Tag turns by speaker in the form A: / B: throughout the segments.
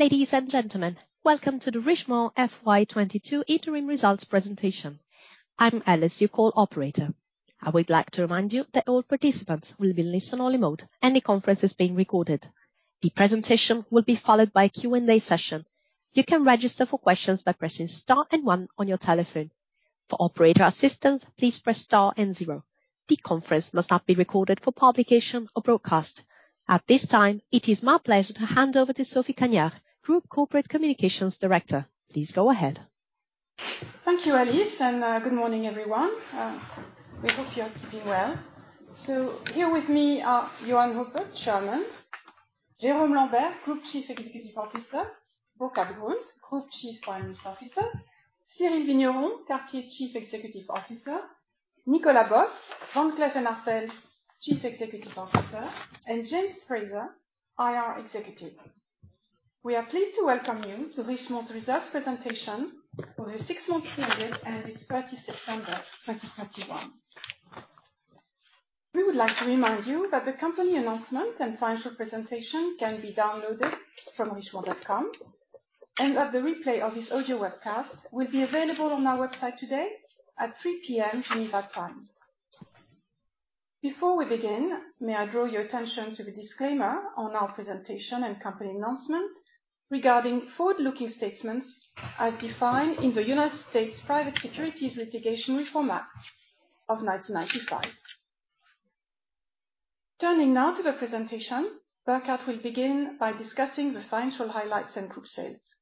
A: Ladies and gentlemen, welcome to the Richemont FY 2022 interim results presentation. I'm Alice, your call operator. I would like to remind you that all participants will be listen-only mode, and the conference is being recorded. The presentation will be followed by a Q&A session. You can register for questions by pressing star and 1 on your telephone. For operator assistance, please press star and 0. The conference must not be recorded for publication or broadcast. At this time, it is my pleasure to hand over to Sophie Cagnard, Group Corporate Communications Director. Please go ahead.
B: Thank you, Alice, and good morning, everyone. We hope you are keeping well. Here with me are Johann Rupert, Chairman, Jérôme Lambert, Group Chief Executive Officer, Burkhart Grund, Group Chief Finance Officer, Cyrille Vigneron, Cartier Chief Executive Officer, Nicolas Bos, Van Cleef & Arpels Chief Executive Officer, and James Fraser, IR Executive. We are pleased to welcome you to Richemont's results presentation for the six months period ended 30 September 2021. We would like to remind you that the company announcement and financial presentation can be downloaded from richemont.com and that the replay of this audio webcast will be available on our website today at 3 P.M. Geneva time. Before we begin, may I draw your attention to the disclaimer on our presentation and company announcement regarding forward-looking statements as defined in the United States Private Securities Litigation Reform Act of 1995. Turning now to the presentation, Burkhart will begin by discussing the financial highlights and group sales.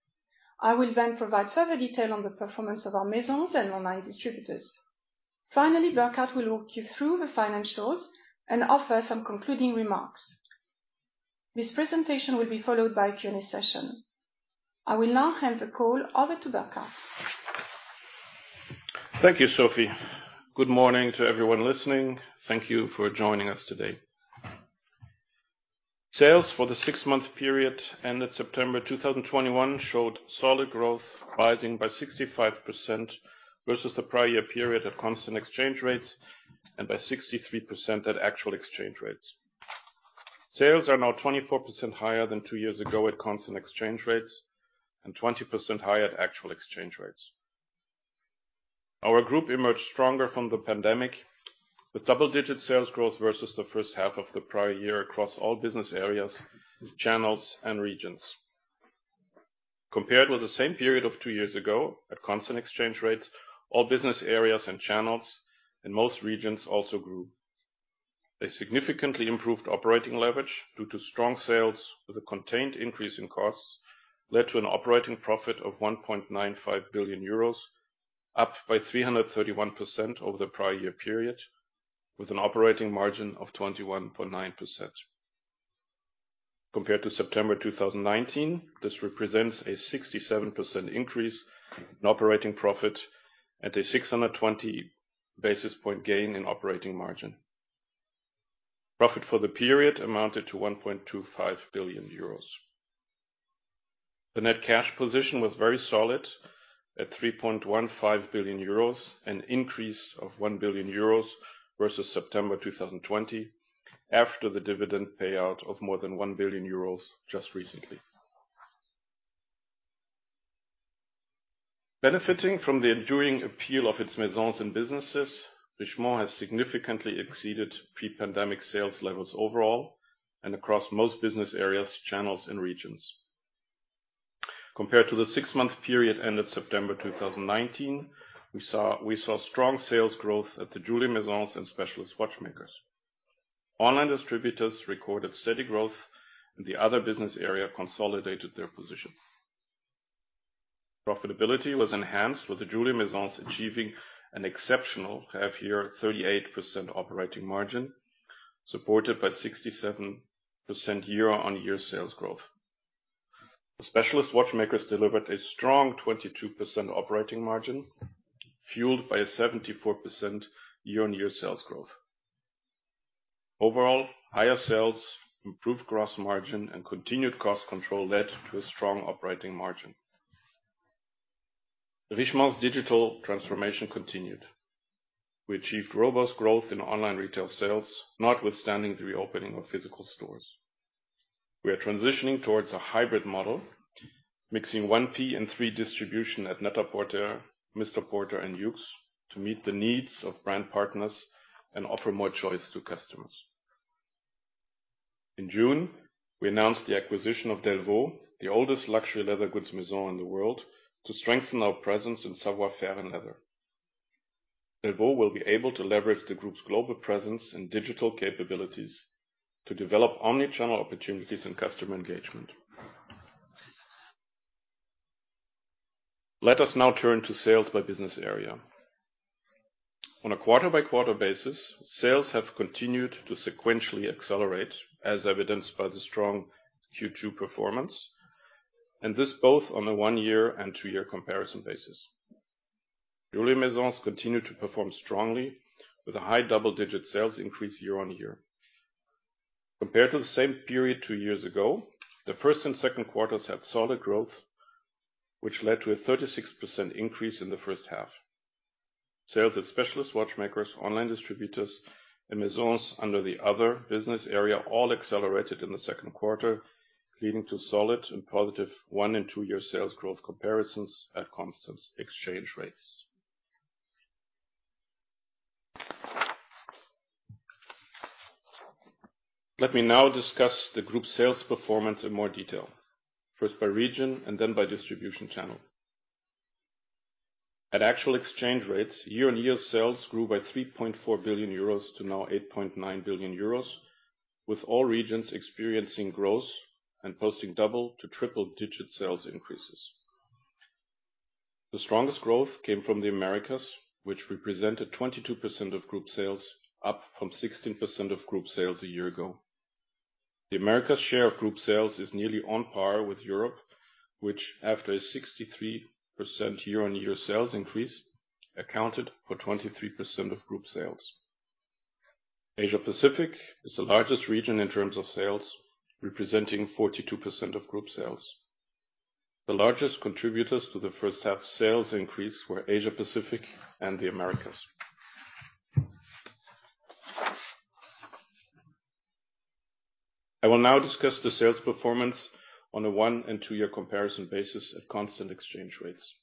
B: I will then provide further detail on the performance of our Maisons and online distributors. Finally, Burkhart will walk you through the financials and offer some concluding remarks. This presentation will be followed by a Q&A session. I will now hand the call over to Burkhart.
C: Thank you, Sophie. Good morning to everyone listening. Thank you for joining us today. Sales for the six-month period ended September 2021 showed solid growth, rising by 65% versus the prior year period at constant exchange rates and by 63% at actual exchange rates. Sales are now 24% higher than two years ago at constant exchange rates and 20% higher at actual exchange rates. Our group emerged stronger from the pandemic, with double-digit sales growth versus the first half of the prior year across all business areas, channels, and regions. Compared with the same period of two years ago, at constant exchange rates, all business areas and channels and most regions also grew. A significantly improved operating leverage due to strong sales with a contained increase in costs led to an operating profit of 1.95 billion euros, up by 331% over the prior year period, with an operating margin of 21.9%. Compared to September 2019, this represents a 67% increase in operating profit and a 620 basis point gain in operating margin. Profit for the period amounted to 1.25 billion euros. The net cash position was very solid at 3.15 billion euros, an increase of 1 billion euros versus September 2020, after the dividend payout of more than 1 billion euros just recently. Benefiting from the enduring appeal of its Maisons and businesses, Richemont has significantly exceeded pre-pandemic sales levels overall and across most business areas, channels, and regions. Compared to the six-month period ended September 2019, we saw strong sales growth at the Jewelry Maisons and specialist watchmakers. Online distributors recorded steady growth, and the other business area consolidated their position. Profitability was enhanced, with the Jewelry Maisons achieving an exceptional half-year 38% operating margin, supported by 67% year-over-year sales growth. The specialist watchmakers delivered a strong 22% operating margin, fueled by a 74% year-over-year sales growth. Overall, higher sales, improved gross margin, and continued cost control led to a strong operating margin. Richemont's digital transformation continued. We achieved robust growth in online retail sales, notwithstanding the reopening of physical stores. We are transitioning towards a hybrid model, mixing 1P and 3P distribution at NET-A-PORTER, MR PORTER, and YOOX to meet the needs of brand partners and offer more choice to customers. In June, we announced the acquisition of Delvaux, the oldest luxury leather goods Maison in the world, to strengthen our presence in savoir-faire and leather. Delvaux will be able to leverage the group's global presence and digital capabilities to develop omni-channel opportunities and customer engagement. Let us now turn to sales by business area. On a quarter-by-quarter basis, sales have continued to sequentially accelerate, as evidenced by the strong Q2 performance, and this both on a one-year and two-year comparison basis. Jewelry Maisons continue to perform strongly with a high double-digit sales increase year-on-year. Compared to the same period two years ago, the first and second quarters had solid growth, which led to a 36% increase in the first half. Sales at specialist watchmakers, online distributors, and Maisons under the other business area all accelerated in the second quarter, leading to solid and positive 1- and 2-year sales growth comparisons at constant exchange rates. Let me now discuss the group sales performance in more detail, first by region and then by distribution channel. At actual exchange rates, year-on-year sales grew by 3.4 billion euros to 8.9 billion euros, with all regions experiencing growth and posting double- to triple-digit sales increases. The strongest growth came from the Americas, which represented 22% of group sales, up from 16% of group sales a year ago. The Americas share of group sales is nearly on par with Europe, which after a 63% year-on-year sales increase, accounted for 23% of group sales. Asia-Pacific is the largest region in terms of sales, representing 42% of group sales. The largest contributors to the first half sales increase were Asia-Pacific and the Americas. I will now discuss the sales performance on a 1- and 2-year comparison basis at constant exchange rates.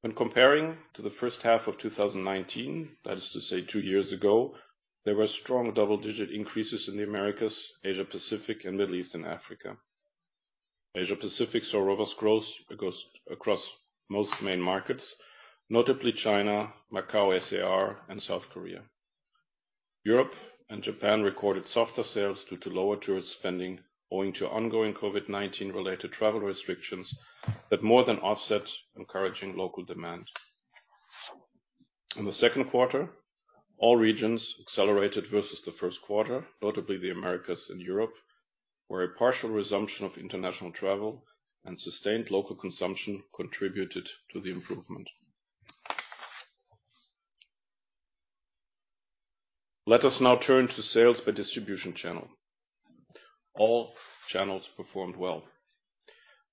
C: When comparing to the first half of 2019, that is to say, two years ago, there were strong double-digit increases in the Americas, Asia-Pacific, and Middle East and Africa. Asia-Pacific saw robust growth across most main markets, notably China, Macau, SAR, and South Korea. Europe and Japan recorded softer sales due to lower tourist spending owing to ongoing COVID-19 related travel restrictions that more than offset encouraging local demand. In the second quarter, all regions accelerated versus the first quarter, notably the Americas and Europe, where a partial resumption of international travel and sustained local consumption contributed to the improvement. Let us now turn to sales by distribution channel. All channels performed well.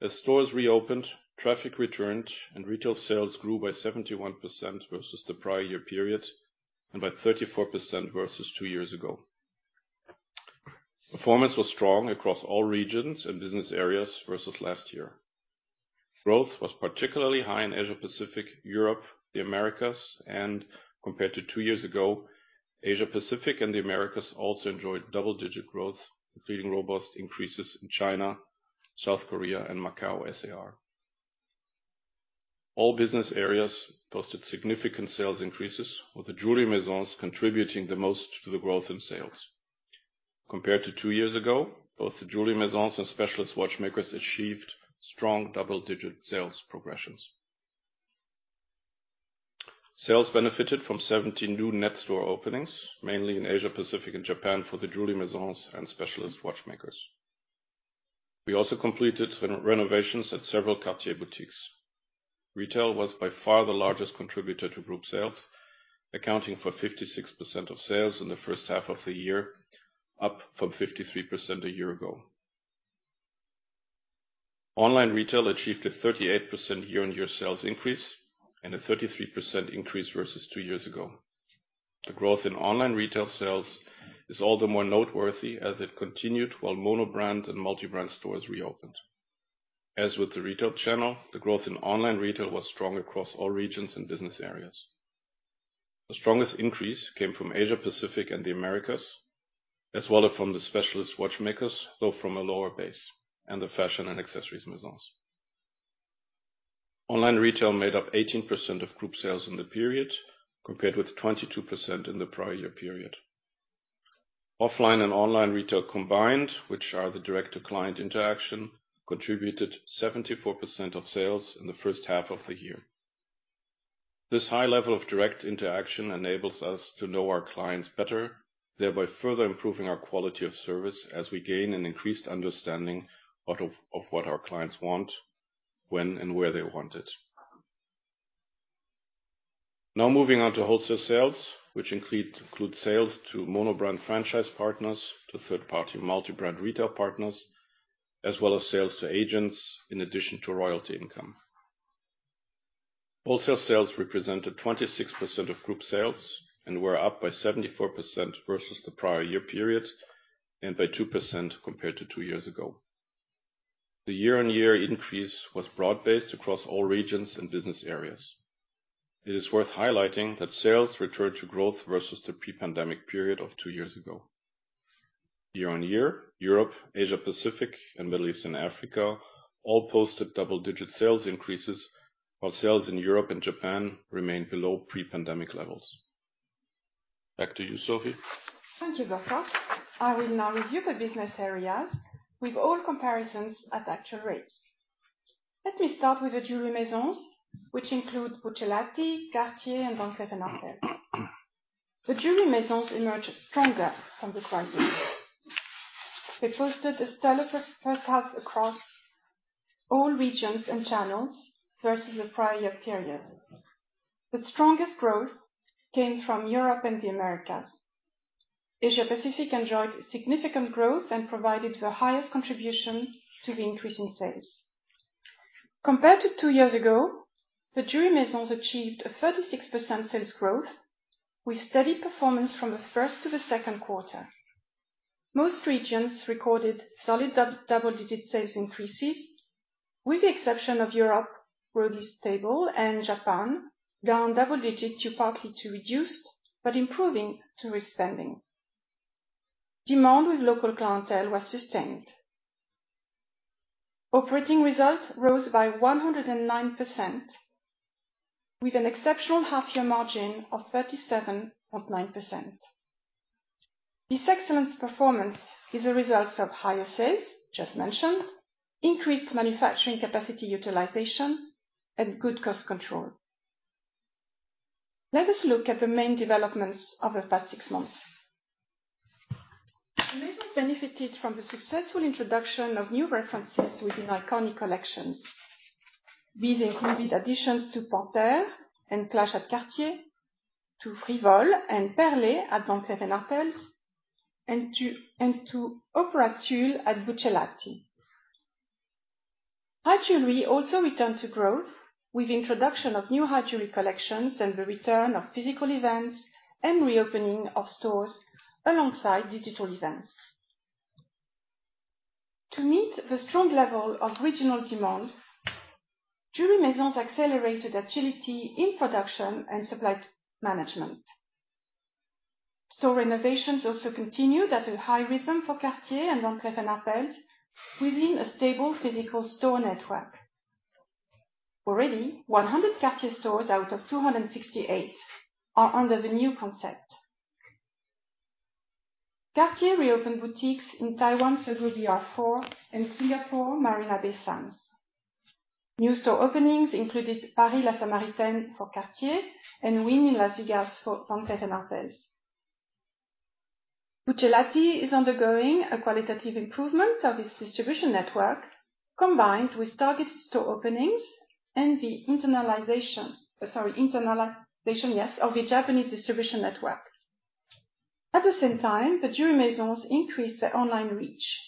C: As stores reopened, traffic returned, and retail sales grew by 71% versus the prior year period, and by 34% versus two years ago. Performance was strong across all regions and business areas versus last year. Growth was particularly high in Asia-Pacific, Europe, the Americas. Compared to two years ago, Asia-Pacific and the Americas also enjoyed double-digit growth, including robust increases in China, South Korea, and Macau, SAR. All business areas posted significant sales increases, with the Jewelry Maisons contributing the most to the growth in sales. Compared to two years ago, both the Jewelry Maisons and Specialist Watchmakers achieved strong double-digit sales progressions. Sales benefited from 17 new net store openings, mainly in Asia-Pacific and Japan for the jewelry Maisons and specialist watchmakers. We also completed renovations at several Cartier boutiques. Retail was by far the largest contributor to group sales, accounting for 56% of sales in the first half of the year, up from 53% a year ago. Online retail achieved a 38% year-on-year sales increase and a 33% increase versus two years ago. The growth in online retail sales is all the more noteworthy as it continued while monobrand and multibrand stores reopened. As with the retail channel, the growth in online retail was strong across all regions and business areas. The strongest increase came from Asia-Pacific and the Americas, as well as from the specialist watchmakers, though from a lower base, and the fashion and accessories Maisons. Online retail made up 18% of group sales in the period, compared with 22% in the prior year period. Offline and online retail combined, which are the direct to client interaction, contributed 74% of sales in the first half of the year. This high level of direct interaction enables us to know our clients better, thereby further improving our quality of service as we gain an increased understanding out of what our clients want, when and where they want it. Now moving on to wholesale sales, which include sales to mono brand franchise partners, to third-party multi-brand retail partners, as well as sales to agents in addition to royalty income. Wholesale sales represented 26% of group sales and were up by 74% versus the prior year period, and by 2% compared to two years ago. The year-on-year increase was broad-based across all regions and business areas. It is worth highlighting that sales returned to growth versus the pre-pandemic period of two years ago. Year-on-year, Europe, Asia-Pacific, and Middle East and Africa all posted double-digit sales increases, while sales in Europe and Japan remain below pre-pandemic levels. Back to you, Sophie.
B: Thank you, Burkhart. I will now review the business areas with all comparisons at actual rates. Let me start with the jewelry Maisons, which include Buccellati, Cartier, and Van Cleef & Arpels. The jewelry Maisons emerged stronger from the crisis. They posted a stellar first half across all regions and channels versus the prior year period. The strongest growth came from Europe and the Americas. Asia Pacific enjoyed significant growth and provided the highest contribution to the increase in sales. Compared to two years ago, the jewelry Maisons achieved a 36% sales growth with steady performance from the first to the second quarter. Most regions recorded solid double-digit sales increases, with the exception of Europe, where it is stable, and Japan down double digits due partly to reduced but improving tourist spending. Demand with local clientele was sustained. Operating result rose by 109% with an exceptional half-year margin of 37.9%. This excellent performance is a result of higher sales, just mentioned, increased manufacturing capacity utilization, and good cost control. Let us look at the main developments over the past six months. Maisons benefited from the successful introduction of new references within iconic collections. These included additions to Panthère and Clash at Cartier, to Frivole and Perlée at Van Cleef & Arpels, and to Opera Tulle at Buccellati. High jewelry also returned to growth with introduction of new high jewelry collections and the return of physical events and reopening of stores alongside digital events. To meet the strong level of regional demand, jewelry Maisons accelerated agility in production and supply management. Store renovations also continued at a high rhythm for Cartier and Van Cleef & Arpels within a stable physical store network. Already, 100 Cartier stores out of 268 are under the new concept. Cartier reopened boutiques in Taiwan, uncertain, and Singapore, Marina Bay Sands. New store openings included Paris, La Samaritaine for Cartier and Wynn in Las Vegas for Van Cleef & Arpels. Buccellati is undergoing a qualitative improvement of its distribution network, combined with targeted store openings and the internalization of the Japanese distribution network. At the same time, the jewelry Maisons increased their online reach.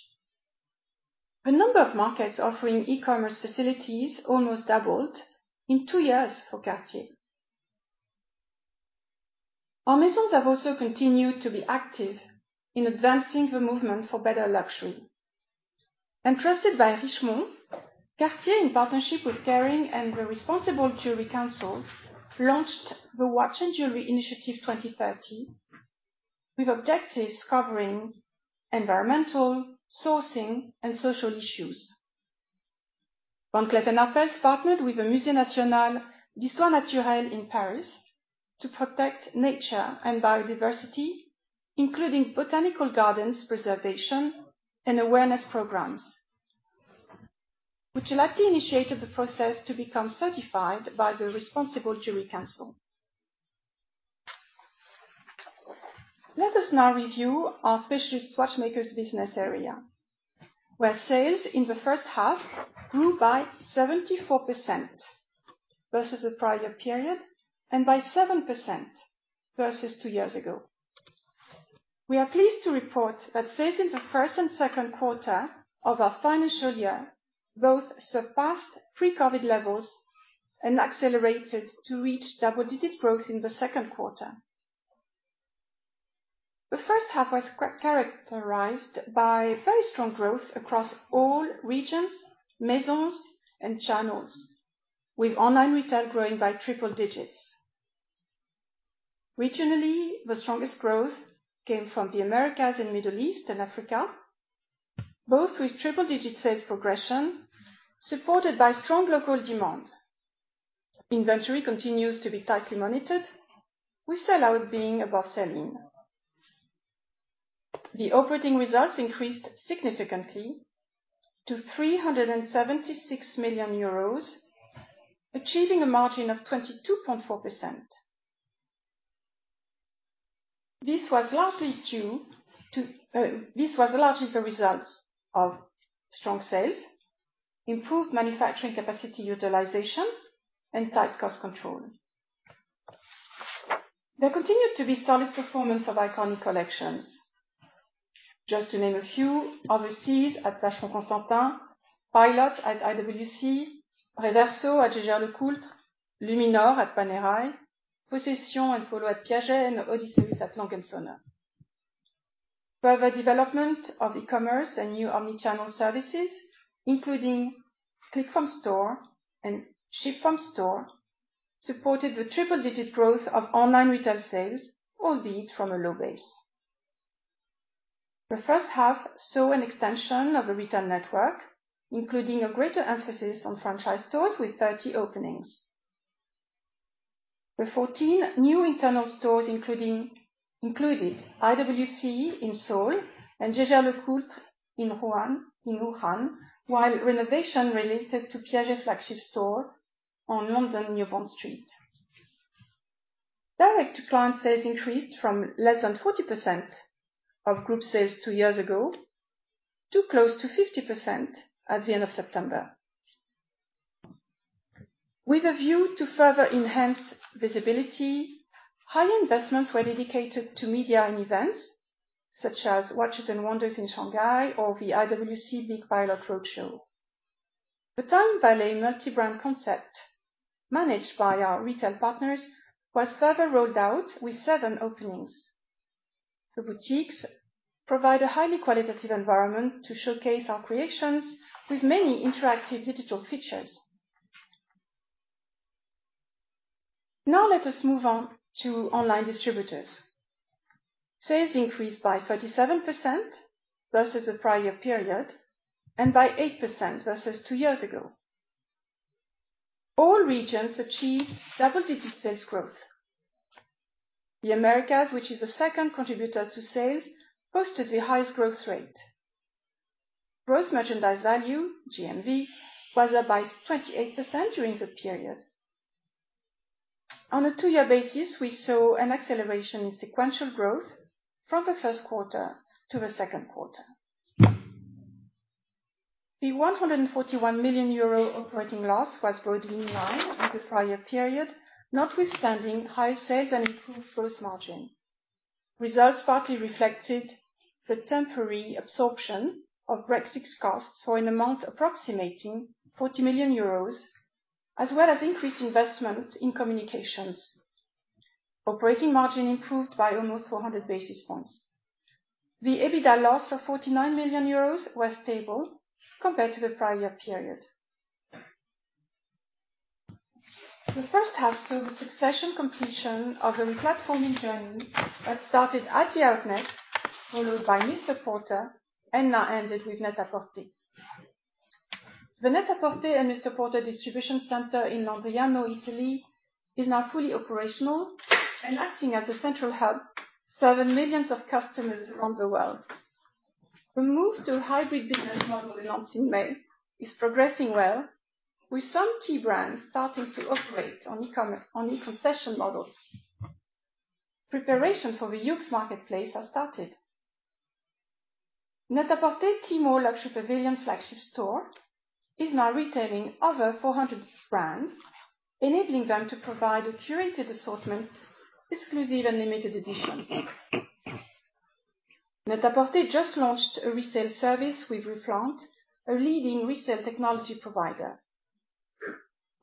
B: The number of markets offering e-commerce facilities almost doubled in 2 years for Cartier. Our Maisons have also continued to be active in advancing the movement for better luxury. Entrusted by Richemont, Cartier in partnership with Kering and the Responsible Jewellery Council, launched the Watch & Jewellery Initiative 2030, with objectives covering environmental, sourcing, and social issues. Van Cleef & Arpels partnered with the Muséum national d'Histoire naturelle in Paris to protect nature and biodiversity, including botanical gardens preservation and awareness programs. Buccellati initiated the process to become certified by the Responsible Jewellery Council. Let us now review our specialist watchmakers business area, where sales in the first half grew by 74% versus the prior period and by 7% versus two years ago. We are pleased to report that sales in the first and second quarter of our financial year both surpassed pre-COVID levels and accelerated to reach double-digit growth in the second quarter. The first half was characterized by very strong growth across all regions, Maisons, and channels, with online retail growing by triple digits. Regionally, the strongest growth came from the Americas and Middle East and Africa, both with triple-digit sales progression supported by strong local demand. Inventory continues to be tightly monitored, with sell out being above sell in. The operating results increased significantly to 376 million euros, achieving a margin of 22.4%. This was largely the result of strong sales, improved manufacturing capacity utilization, and tight cost control. There continued to be solid performance of iconic collections. Just to name a few, Overseas at Vacheron Constantin, Pilot at IWC, Reverso at Jaeger-LeCoultre, Luminor at Panerai, Possession and Polo at Piaget, and Odysseus at A. Lange & Söhne. Further development of e-commerce and new omni-channel services, including click from store and ship from store, supported the triple-digit growth of online retail sales, albeit from a low base. The first half saw an extension of the retail network, including a greater emphasis on franchise stores with 30 openings. The 14 new internal stores included IWC in Seoul and Jaeger-LeCoultre in Wuhan, while renovation related to Piaget flagship store on London, New Bond Street. Direct-to-client sales increased from less than 40% of group sales two years ago to close to 50% at the end of September. With a view to further enhance visibility, high investments were dedicated to media and events such as Watches and Wonders in Shanghai or the IWC Big Pilot Roadshow. The TimeVallée multi-brand concept managed by our retail partners was further rolled out with seven openings. The boutiques provide a highly qualitative environment to showcase our creations with many interactive digital features. Now let us move on to online distributors. Sales increased by 37% versus the prior period, and by 8% versus 2 years ago. All regions achieved double-digit sales growth. The Americas, which is the second contributor to sales, posted the highest growth rate. Gross merchandise value, GMV, was up by 28% during the period. On a 2-year basis, we saw an acceleration in sequential growth from the first quarter to the second quarter. The 141 million euro operating loss was broadly in line with the prior period, notwithstanding high sales and improved gross margin. Results partly reflected the temporary absorption of Brexit costs for an amount approximating 40 million euros, as well as increased investment in communications. Operating margin improved by almost 400 basis points. The EBITDA loss of 49 million euros was stable compared to the prior period. The first half saw the succession completion of the platforming journey that started at THE OUTNET, followed by MR PORTER, and now ended with NET-A-PORTER. The NET-A-PORTER and MR PORTER distribution center in Landriano, Italy is now fully operational and acting as a central hub, serving millions of customers around the world. The move to a hybrid business model announced in May is progressing well, with some key brands starting to operate on e-concession models. Preparation for the YOOX Marketplace has started. NET-A-PORTER Tmall Luxury Pavilion flagship store is now retailing over 400 brands, enabling them to provide a curated assortment, exclusive and limited editions. NET-A-PORTER just launched a resale service with Reflaunt, a leading resale technology provider.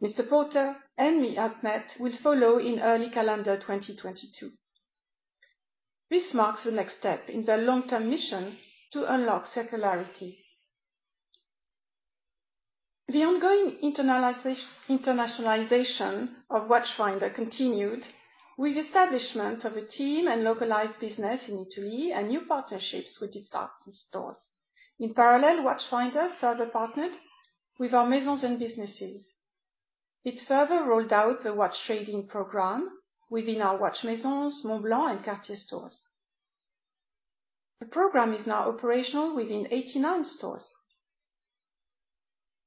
B: MR PORTER and THE OUTNET will follow in early calendar 2022. This marks the next step in their long-term mission to unlock circularity. The ongoing internationalization of Watchfinder continued with establishment of a team and localized business in Italy and new partnerships with department stores. In parallel, Watchfinder further partnered with our Maisons and businesses. It further rolled out the watch trade-in program within our watch Maisons, Montblanc and Cartier stores. The program is now operational within 89 stores.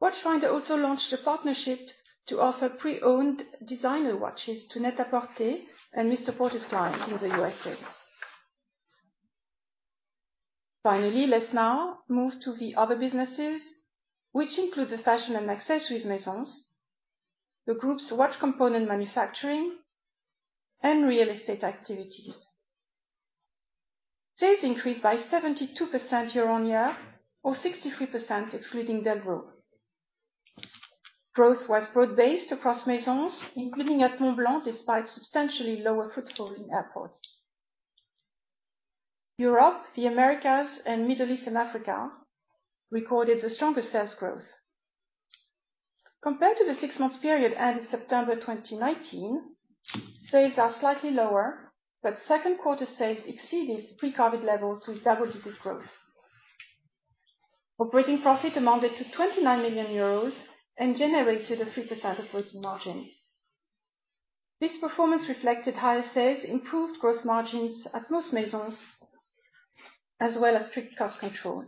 B: Watchfinder also launched a partnership to offer pre-owned designer watches to NET-A-PORTER and MR PORTER's clients in the USA. Finally, let's now move to the other businesses, which include the fashion and accessories Maisons, the group's watch component manufacturing, and real estate activities. Sales increased by 72% year-on-year, or 63% excluding Delvaux. Growth was broad-based across Maisons, including at Montblanc, despite substantially lower footfall in airports. Europe, the Americas, and Middle East and Africa recorded the strongest sales growth. Compared to the six-month period ending September 2019, sales are slightly lower, but second quarter sales exceeded pre-COVID levels with double-digit growth. Operating profit amounted to 29 million euros and generated a 3% operating margin. This performance reflected higher sales, improved gross margins at most Maisons, as well as strict cost control.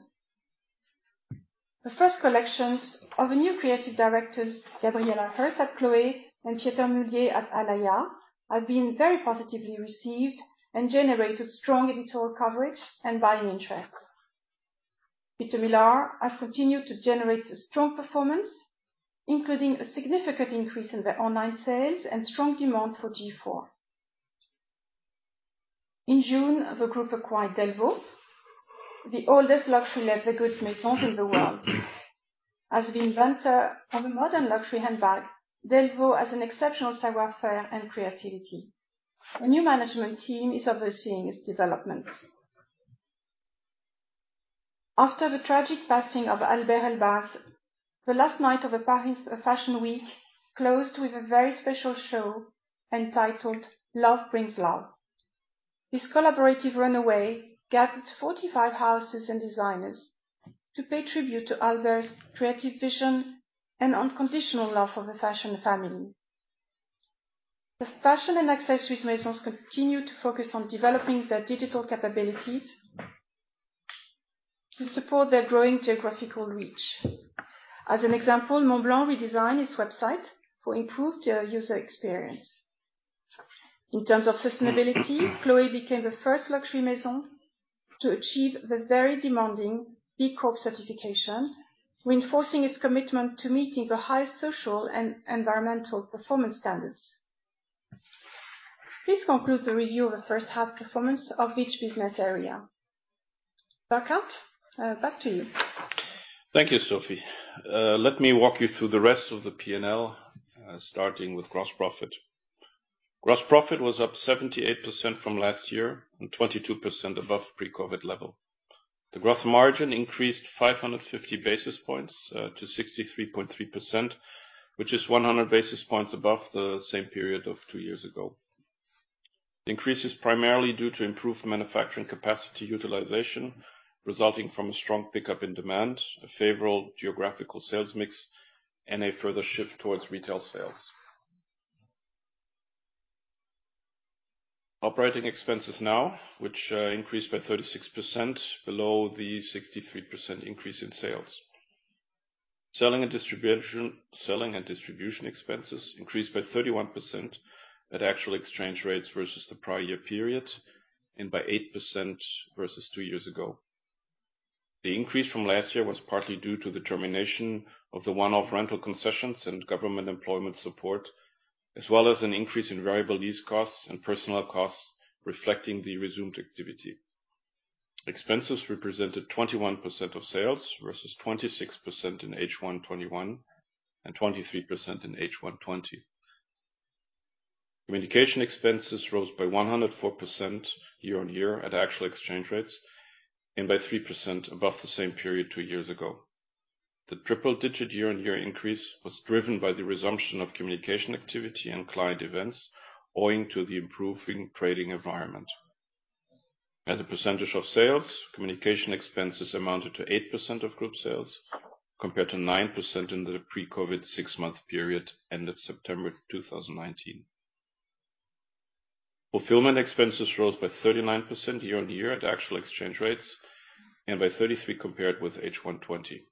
B: The first collections of new creative directors Gabriela Hearst at Chloé and Pieter Mulier at Alaïa have been very positively received and generated strong editorial coverage and buying interest. Pieter Mulier has continued to generate a strong performance, including a significant increase in their online sales and strong demand for G4. In June, the group acquired Delvaux, the oldest luxury leather goods Maison in the world. As the inventor of a modern luxury handbag, Delvaux has an exceptional savoir-faire and creativity. A new management team is overseeing its development. After the tragic passing of Alber Elbaz, the last night of the Paris Fashion Week closed with a very special show entitled Love Brings Love. This collaborative runway gathered 45 houses and designers to pay tribute to Alber's creative vision and unconditional love of the fashion family. The fashion and accessories Maisons continue to focus on developing their digital capabilities to support their growing geographical reach. As an example, Montblanc redesigned its website for improved user experience. In terms of sustainability, Chloé became the first luxury maison to achieve the very demanding B Corp certification, reinforcing its commitment to meeting the highest social and environmental performance standards. This concludes the review of the first half performance of each business area. Burkhart, back to you.
C: Thank you, Sophie. Let me walk you through the rest of the P&L, starting with gross profit. Gross profit was up 78% from last year and 22% above pre-COVID level. The gross margin increased 550 basis points to 63.3%, which is 100 basis points above the same period of two years ago. The increase is primarily due to improved manufacturing capacity utilization, resulting from a strong pickup in demand, a favorable geographical sales mix, and a further shift towards retail sales. Operating expenses increased by 36% below the 63% increase in sales. Selling and distribution expenses increased by 31% at actual exchange rates versus the prior year period, and by 8% versus two years ago. The increase from last year was partly due to the termination of the one-off rental concessions and government employment support, as well as an increase in variable lease costs and personnel costs reflecting the resumed activity. Expenses represented 21% of sales versus 26% in H1 2021, and 23% in H1 2020. Communication expenses rose by 104% year-on-year at actual exchange rates and by 3% above the same period two years ago. The triple-digit year-on-year increase was driven by the resumption of communication activity and client events owing to the improving trading environment. As a percentage of sales, communication expenses amounted to 8% of group sales compared to 9% in the pre-COVID six-month period ended September 2019. Fulfillment expenses rose by 39% year-on-year at actual exchange rates and by 33% compared with H1 2020.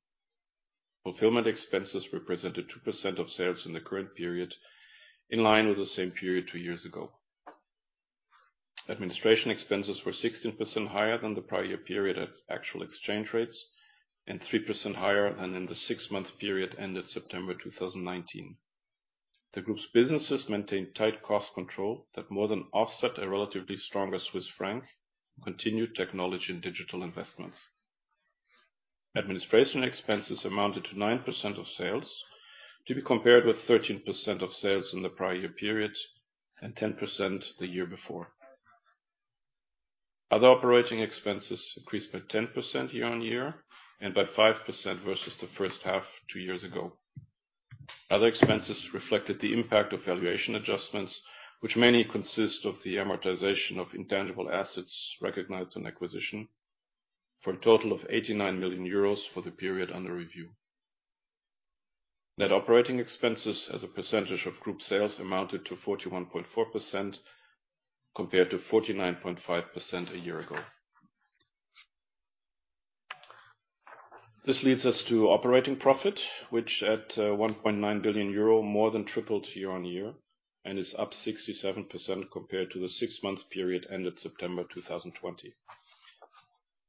C: Fulfillment expenses represented 2% of sales in the current period, in line with the same period two years ago. Administration expenses were 16% higher than the prior year period at actual exchange rates, and 3% higher than in the six-month period ended September 2019. The group's businesses maintained tight cost control that more than offset a relatively stronger Swiss franc, continued technology and digital investments. Administration expenses amounted to 9% of sales, to be compared with 13% of sales in the prior year period and 10% the year before. Other operating expenses increased by 10% year-on-year and by 5% versus the first half two years ago. Other expenses reflected the impact of valuation adjustments, which mainly consist of the amortization of intangible assets recognized on acquisition for a total of 89 million euros for the period under review. Net operating expenses as a percentage of group sales amounted to 41.4% compared to 49.5% a year ago. This leads us to operating profit, which at 1.9 billion euro more than tripled year-on-year and is up 67% compared to the six-month period ended September 2020.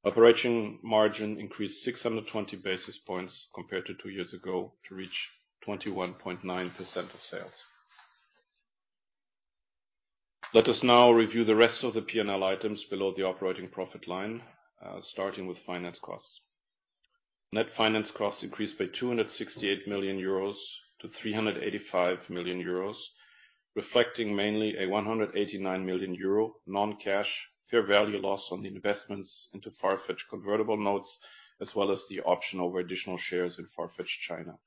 C: Operating margin increased 620 basis points compared to two years ago to reach 21.9% of sales. Let us now review the rest of the P&L items below the operating profit line, starting with finance costs. Net finance costs increased by 268 million euros to 385 million euros, reflecting mainly a 189 million euro non-cash fair value loss on the investments into Farfetch convertible notes, as well as the option over additional shares in Farfetch China.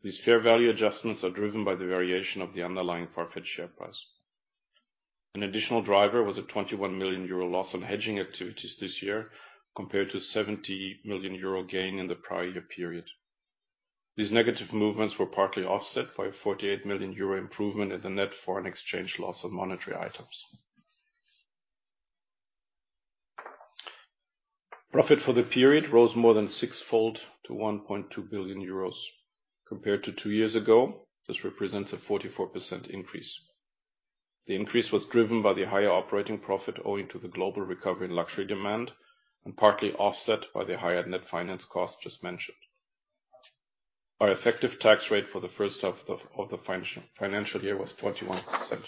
C: These fair value adjustments are driven by the variation of the underlying Farfetch share price. An additional driver was a 21 million euro loss on hedging activities this year compared to 70 million euro gain in the prior year period. These negative movements were partly offset by a 48 million euro improvement in the net foreign exchange loss on monetary items. Profit for the period rose more than six-fold to 1.2 billion euros. Compared to two years ago, this represents a 44% increase. The increase was driven by the higher operating profit owing to the global recovery in luxury demand and partly offset by the higher net finance cost just mentioned. Our effective tax rate for the first half of the financial year was 41%.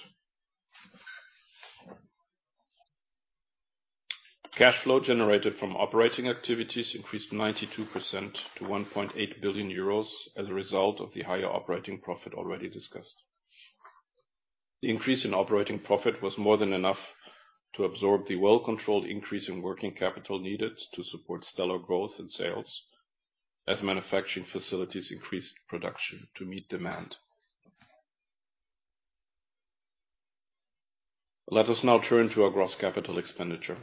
C: Cash flow generated from operating activities increased 92% to 1.8 billion euros as a result of the higher operating profit already discussed. The increase in operating profit was more than enough to absorb the well-controlled increase in working capital needed to support stellar growth in sales as manufacturing facilities increased production to meet demand. Let us now turn to our gross capital expenditure.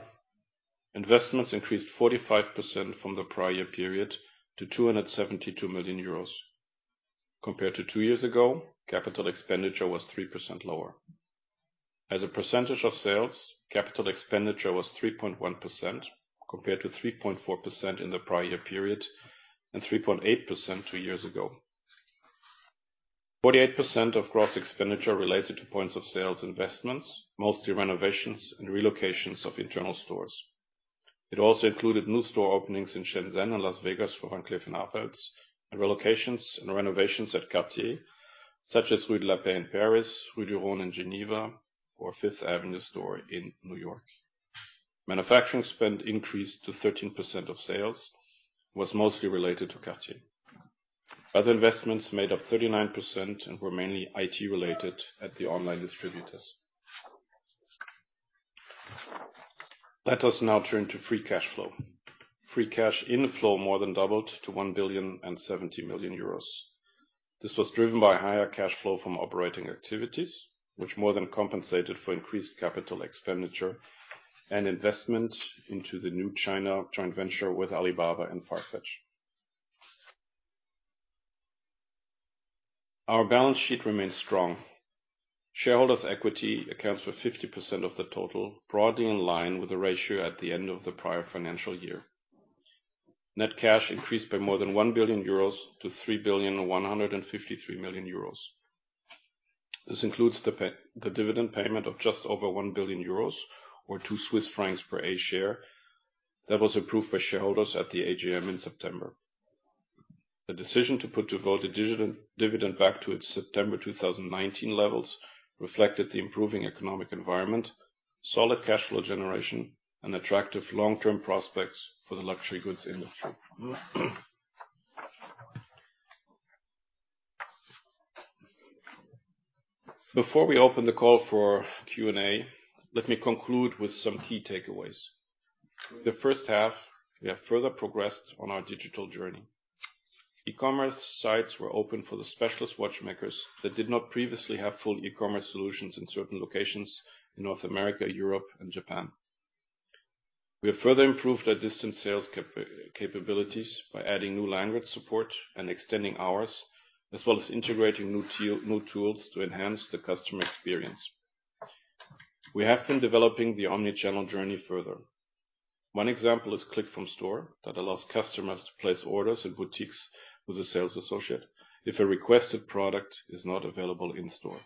C: Investments increased 45% from the prior year period to 272 million euros. Compared to two years ago, capital expenditure was 3% lower. As a percentage of sales, capital expenditure was 3.1%. Compared to 3.4% in the prior year period, and 3.8% two years ago. 48% of gross expenditure related to points of sales investments, mostly renovations and relocations of internal stores. It also included new store openings in Shenzhen and Las Vegas for Van Cleef & Arpels, and relocations and renovations at Cartier, such as Rue de la Paix in Paris, Rue du Rhône in Geneva, or Fifth Avenue store in New York. Manufacturing spend increased to 13% of sales, was mostly related to Cartier. Other investments made up 39% and were mainly IT-related at the online distributors. Let us now turn to free cash flow. Free cash inflow more than doubled to 1.07 billion. This was driven by higher cash flow from operating activities, which more than compensated for increased capital expenditure and investment into the new China joint venture with Alibaba and Farfetch. Our balance sheet remains strong. Shareholders equity accounts for 50% of the total, broadly in line with the ratio at the end of the prior financial year. Net cash increased by more than 1 billion euros to 3.153 billion. This includes the payout, the dividend payment of just over 1 billion euros or 2 Swiss francs per A share that was approved by shareholders at the AGM in September. The decision to put to vote the dividend back to its September 2019 levels reflected the improving economic environment, solid cash flow generation, and attractive long-term prospects for the luxury goods industry. Before we open the call for Q&A, let me conclude with some key takeaways. The first half, we have further progressed on our digital journey. E-commerce sites were open for the specialist watchmakers that did not previously have full e-commerce solutions in certain locations in North America, Europe, and Japan. We have further improved our distance sales capabilities by adding new language support and extending hours, as well as integrating new tools to enhance the customer experience. We have been developing the omni-channel journey further. One example is click from store, that allows customers to place orders in boutiques with a sales associate if a requested product is not available in store.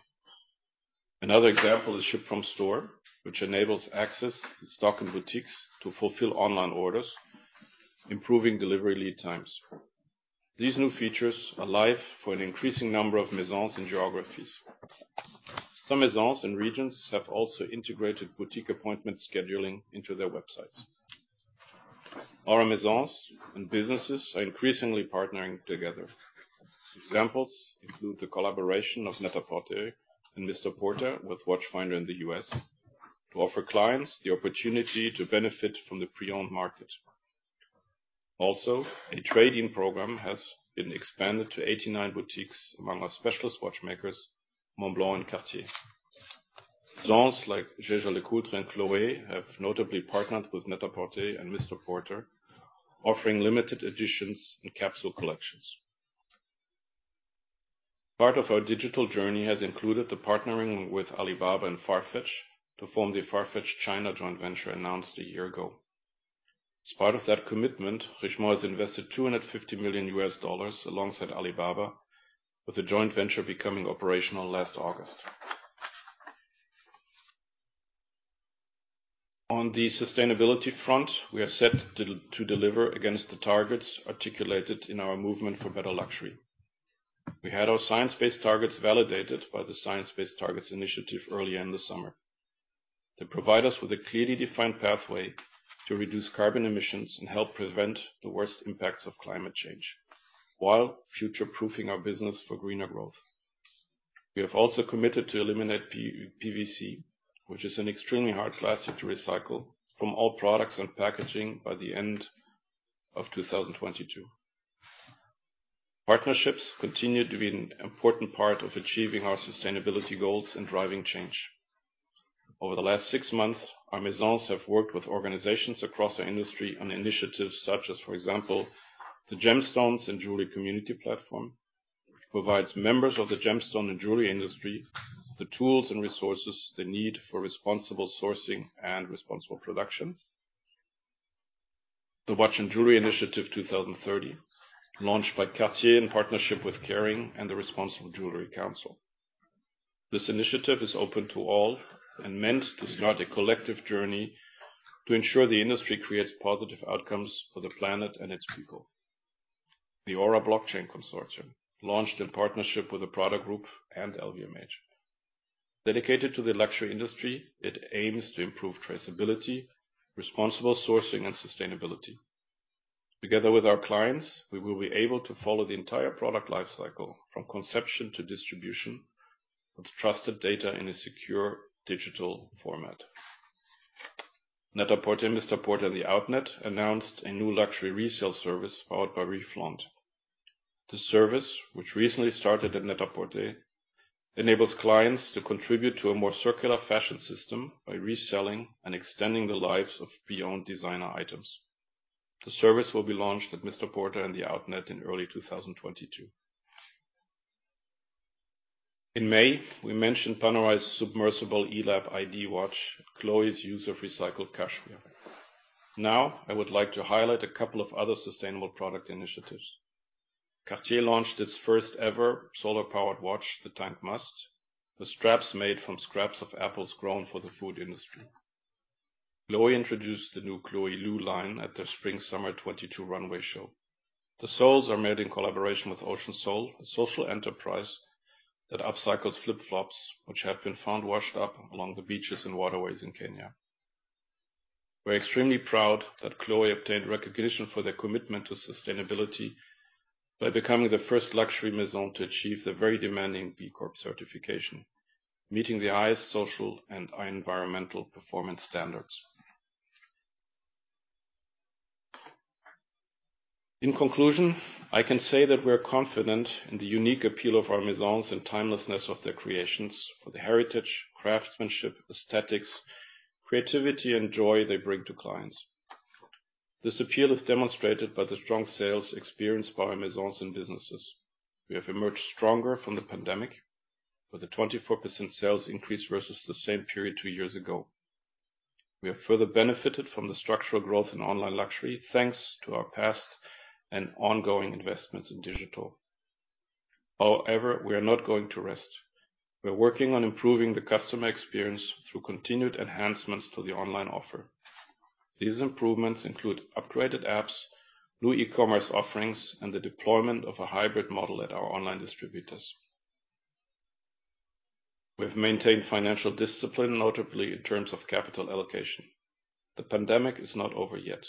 C: Another example is ship from store, which enables access to stock in boutiques to fulfill online orders, improving delivery lead times. These new features are live for an increasing number of Maisons and geographies. Some Maisons and regions have also integrated boutique appointment scheduling into their websites. Our Maisons and businesses are increasingly partnering together. Examples include the collaboration of NET-A-PORTER and MR PORTER with Watchfinder in the U.S. to offer clients the opportunity to benefit from the pre-owned market. Also, a trade-in program has been expanded to 89 boutiques among our specialist watchmakers, Montblanc, and Cartier. Maisons like Jaeger-LeCoultre and Chloé have notably partnered with NET-A-PORTER and MR PORTER, offering limited editions and capsule collections. Part of our digital journey has included the partnering with Alibaba and Farfetch to form the Farfetch China joint venture announced a year ago. As part of that commitment, Richemont has invested $250 million alongside Alibaba, with the joint venture becoming operational last August. On the sustainability front, we are set to deliver against the targets articulated in our movement for better luxury. We had our science-based targets validated by the Science Based Targets initiative early in the summer. They provide us with a clearly defined pathway to reduce carbon emissions and help prevent the worst impacts of climate change, while future-proofing our business for greener growth. We have also committed to eliminate PVC, which is an extremely hard plastic to recycle, from all products and packaging by the end of 2022. Partnerships continue to be an important part of achieving our sustainability goals and driving change. Over the last six months, our Maisons have worked with organizations across our industry on initiatives such as, for example, the Gemstones and Jewellery Community Platform, which provides members of the gemstone and jewelry industry the tools and resources they need for responsible sourcing and responsible production. The Watch & Jewellery Initiative 2030, launched by Cartier in partnership with Kering and the Responsible Jewellery Council. This initiative is open to all and meant to start a collective journey to ensure the industry creates positive outcomes for the planet and its people. The Aura Blockchain Consortium, launched in partnership with the Prada Group and LVMH. Dedicated to the luxury industry, it aims to improve traceability, responsible sourcing, and sustainability. Together with our clients, we will be able to follow the entire product life cycle from conception to distribution with trusted data in a secure digital format. NET-A-PORTER, MR PORTER, and THE OUTNET announced a new luxury resale service powered by Reflaunt. The service, which recently started at NET-A-PORTER, enables clients to contribute to a more circular fashion system by reselling and extending the lives of pre-owned designer items. The service will be launched at MR PORTER and THE OUTNET in early 2022. In May, we mentioned Panerai's Submersible eLAB-ID watch, Chloé's use of recycled cashmere. Now, I would like to highlight a couple of other sustainable product initiatives. Cartier launched its first-ever solar-powered watch, the Tank Must, with straps made from scraps of apples grown for the food industry. Chloé introduced the new Chloé Lou line at their spring/summer '22 runway show. The soles are made in collaboration with Ocean Sole, a social enterprise that upcycles flip-flops which have been found washed up along the beaches and waterways in Kenya. We're extremely proud that Chloé obtained recognition for their commitment to sustainability by becoming the first luxury maison to achieve the very demanding B Corp certification, meeting the highest social and environmental performance standards. In conclusion, I can say that we are confident in the unique appeal of our maisons and timelessness of their creations, for the heritage, craftsmanship, aesthetics, creativity and joy they bring to clients. This appeal is demonstrated by the strong sales experienced by our maisons and businesses. We have emerged stronger from the pandemic, with a 24% sales increase versus the same period two years ago. We have further benefited from the structural growth in online luxury, thanks to our past and ongoing investments in digital. However, we are not going to rest. We are working on improving the customer experience through continued enhancements to the online offer. These improvements include upgraded apps, new e-commerce offerings, and the deployment of a hybrid model at our online distributors. We have maintained financial discipline, notably in terms of capital allocation. The pandemic is not over yet.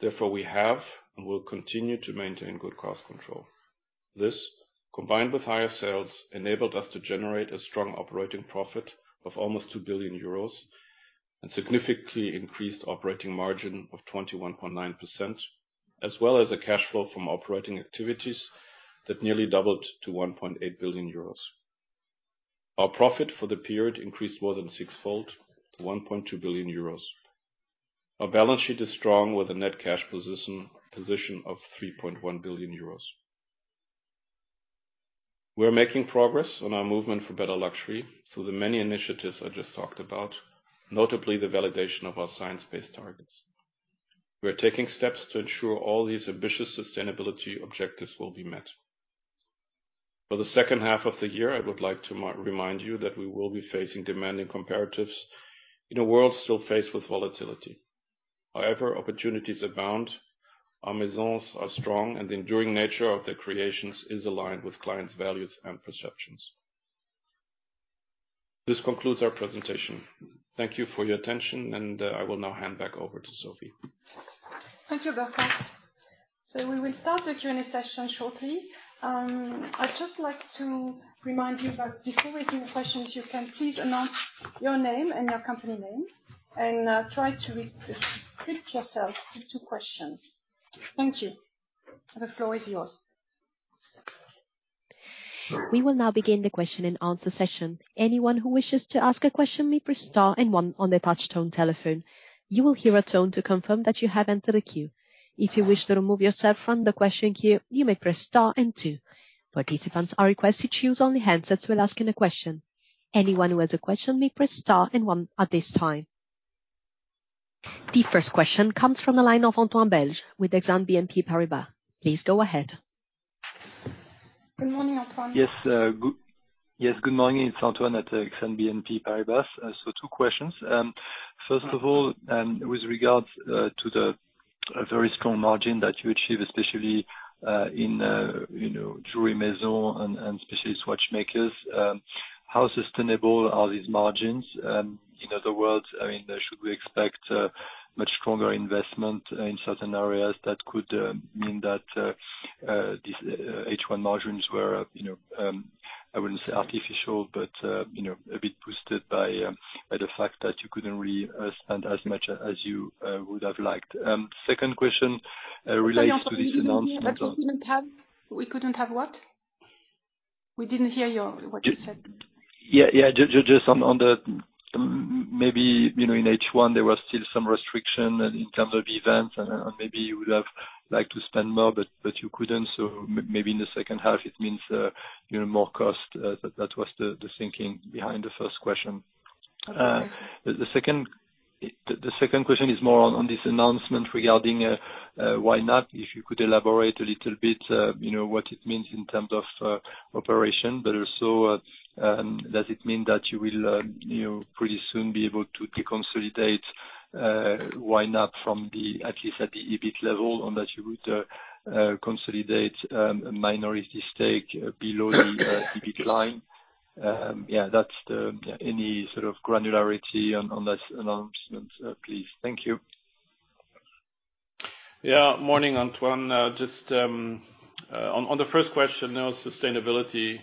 C: Therefore, we have and will continue to maintain good cost control. This, combined with higher sales, enabled us to generate a strong operating profit of almost 2 billion euros and significantly increased operating margin of 21.9%, as well as a cash flow from operating activities that nearly doubled to 1.8 billion euros. Our profit for the period increased more than six-fold to 1.2 billion euros. Our balance sheet is strong, with a net cash position of 3.1 billion euros. We are making progress on our movement for better luxury through the many initiatives I just talked about, notably the validation of our science-based targets. We are taking steps to ensure all these ambitious sustainability objectives will be met. For the second half of the year, I would like to remind you that we will be facing demanding comparatives in a world still faced with volatility. However, opportunities abound. Our Maisons are strong, and the enduring nature of their creations is aligned with clients' values and perceptions. This concludes our presentation. Thank you for your attention, and I will now hand back over to Sophie.
B: Thank you, Burkhart. We will start the Q&A session shortly. I'd just like to remind you that before asking questions, you can please announce your name and your company name, and, try to keep yourself to two questions. Thank you. The floor is yours.
A: We will now begin the question-and-answer session. Anyone who wishes to ask a question may press star and one on their touch-tone telephone. You will hear a tone to confirm that you have entered the queue. If you wish to remove yourself from the question queue, you may press star and two. Participants are requested to use only handsets when asking a question. Anyone who has a question may press star and one at this time. The first question comes from the line of Antoine Bels with Exane BNP Paribas. Please go ahead.
B: Good morning, Antoine.
D: Yes, good morning. It's Antoine at Exane BNP Paribas. Two questions. First of all, with regards to the very strong margin that you achieve, especially in you know, jewelry maison and especially watchmakers, how sustainable are these margins? In other words, I mean, should we expect a much stronger investment in certain areas that could mean that these H1 margins were, you know, I wouldn't say artificial, but you know, a bit boosted by the fact that you couldn't really spend as much as you would have liked? Second question relates to this announcement on-
B: Sorry, Antoine, we didn't hear. That we couldn't have what? We didn't hear what you said.
D: Yeah, yeah. Just on the maybe, you know, in H1, there was still some restriction in terms of events, and maybe you would have liked to spend more, but you couldn't. Maybe in the second half it means, you know, more cost. That was the thinking behind the first question.
B: Yes.
D: The second question is more on this announcement regarding YNAP, if you could elaborate a little bit, you know, what it means in terms of operation. But also, does it mean that you will, you know, pretty soon be able to deconsolidate YNAP from the at least at the EBIT level? Or that you would consolidate a minority stake below the EBIT line? Yeah, that's any sort of granularity on this announcement, please. Thank you.
C: Yeah. Morning, Antoine. Just on the first question, you know, sustainability,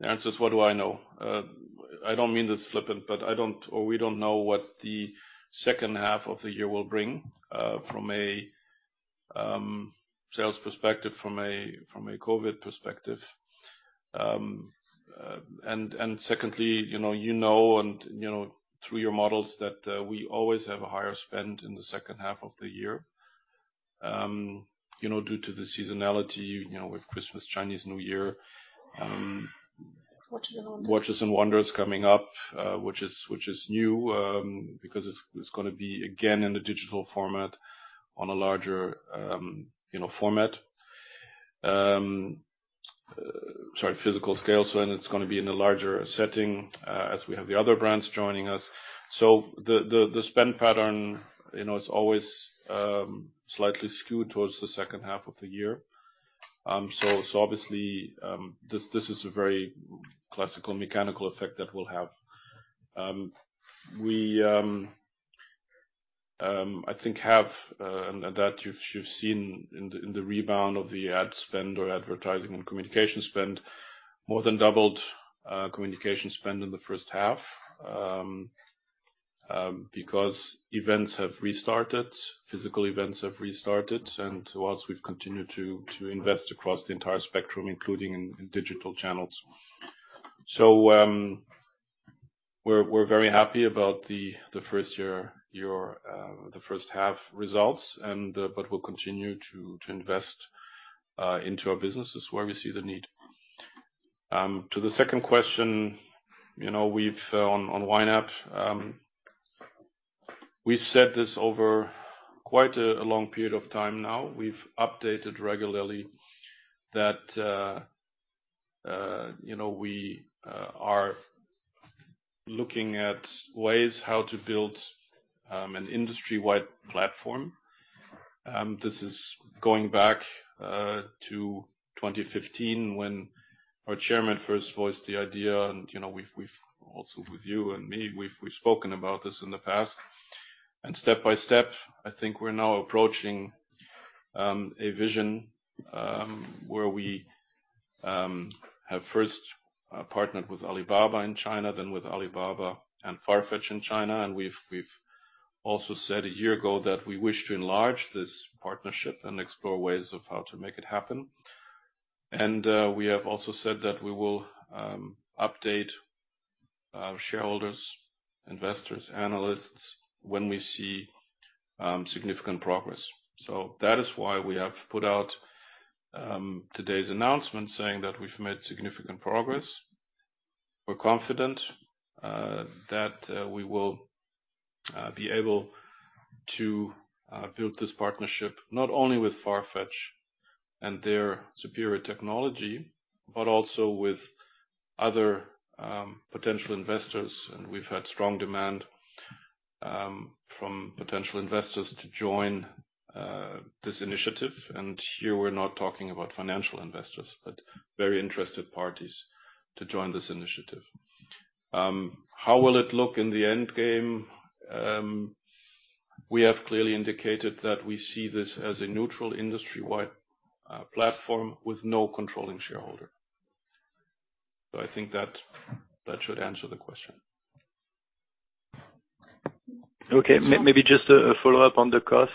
C: the answer is, what do I know? I don't mean this flippantly, but I don't or we don't know what the second half of the year will bring from a sales perspective, from a COVID perspective. Secondly, you know and you know through your models that we always have a higher spend in the second half of the year. You know, due to the seasonality, you know, with Christmas, Chinese New Year.
B: Watches and Wonders.
C: Watches and Wonders coming up, which is new, because it's gonna be again in the digital format on a larger, you know, format. Sorry, physical scale. It's gonna be in a larger setting, as we have the other brands joining us. The spend pattern, you know, is always slightly skewed towards the second half of the year. Obviously, this is a very classical mechanical effect that we'll have. We, I think, have and that you've seen in the rebound of the ad spend or advertising and communication spend, more than doubled, communication spend in the first half. Because events have restarted, physical events have restarted, and whilst we've continued to invest across the entire spectrum, including in digital channels. We're very happy about the first half results and but we'll continue to invest into our businesses where we see the need. To the second question, you know, we've, on YNAP, we've said this over quite a long period of time now. We've updated regularly that, you know, we are looking at ways how to build an industry-wide platform. This is going back to 2015 when our chairman first voiced the idea and, you know, we've also, with you and me, we've spoken about this in the past. Step by step, I think we're now approaching a vision where we have first partnered with Alibaba in China, then with Alibaba and Farfetch in China. We have also said a year ago that we wish to enlarge this partnership and explore ways of how to make it happen. We have also said that we will update our shareholders, investors, analysts when we see significant progress. That is why we have put out today's announcement saying that we've made significant progress. We're confident that we will be able to build this partnership not only with Farfetch and their superior technology, but also with other potential investors. We've had strong demand from potential investors to join this initiative. Here we're not talking about financial investors, but very interested parties to join this initiative. How will it look in the end game? We have clearly indicated that we see this as a neutral industry-wide platform with no controlling shareholder. I think that should answer the question.
D: Okay. Maybe just a follow-up on the cost.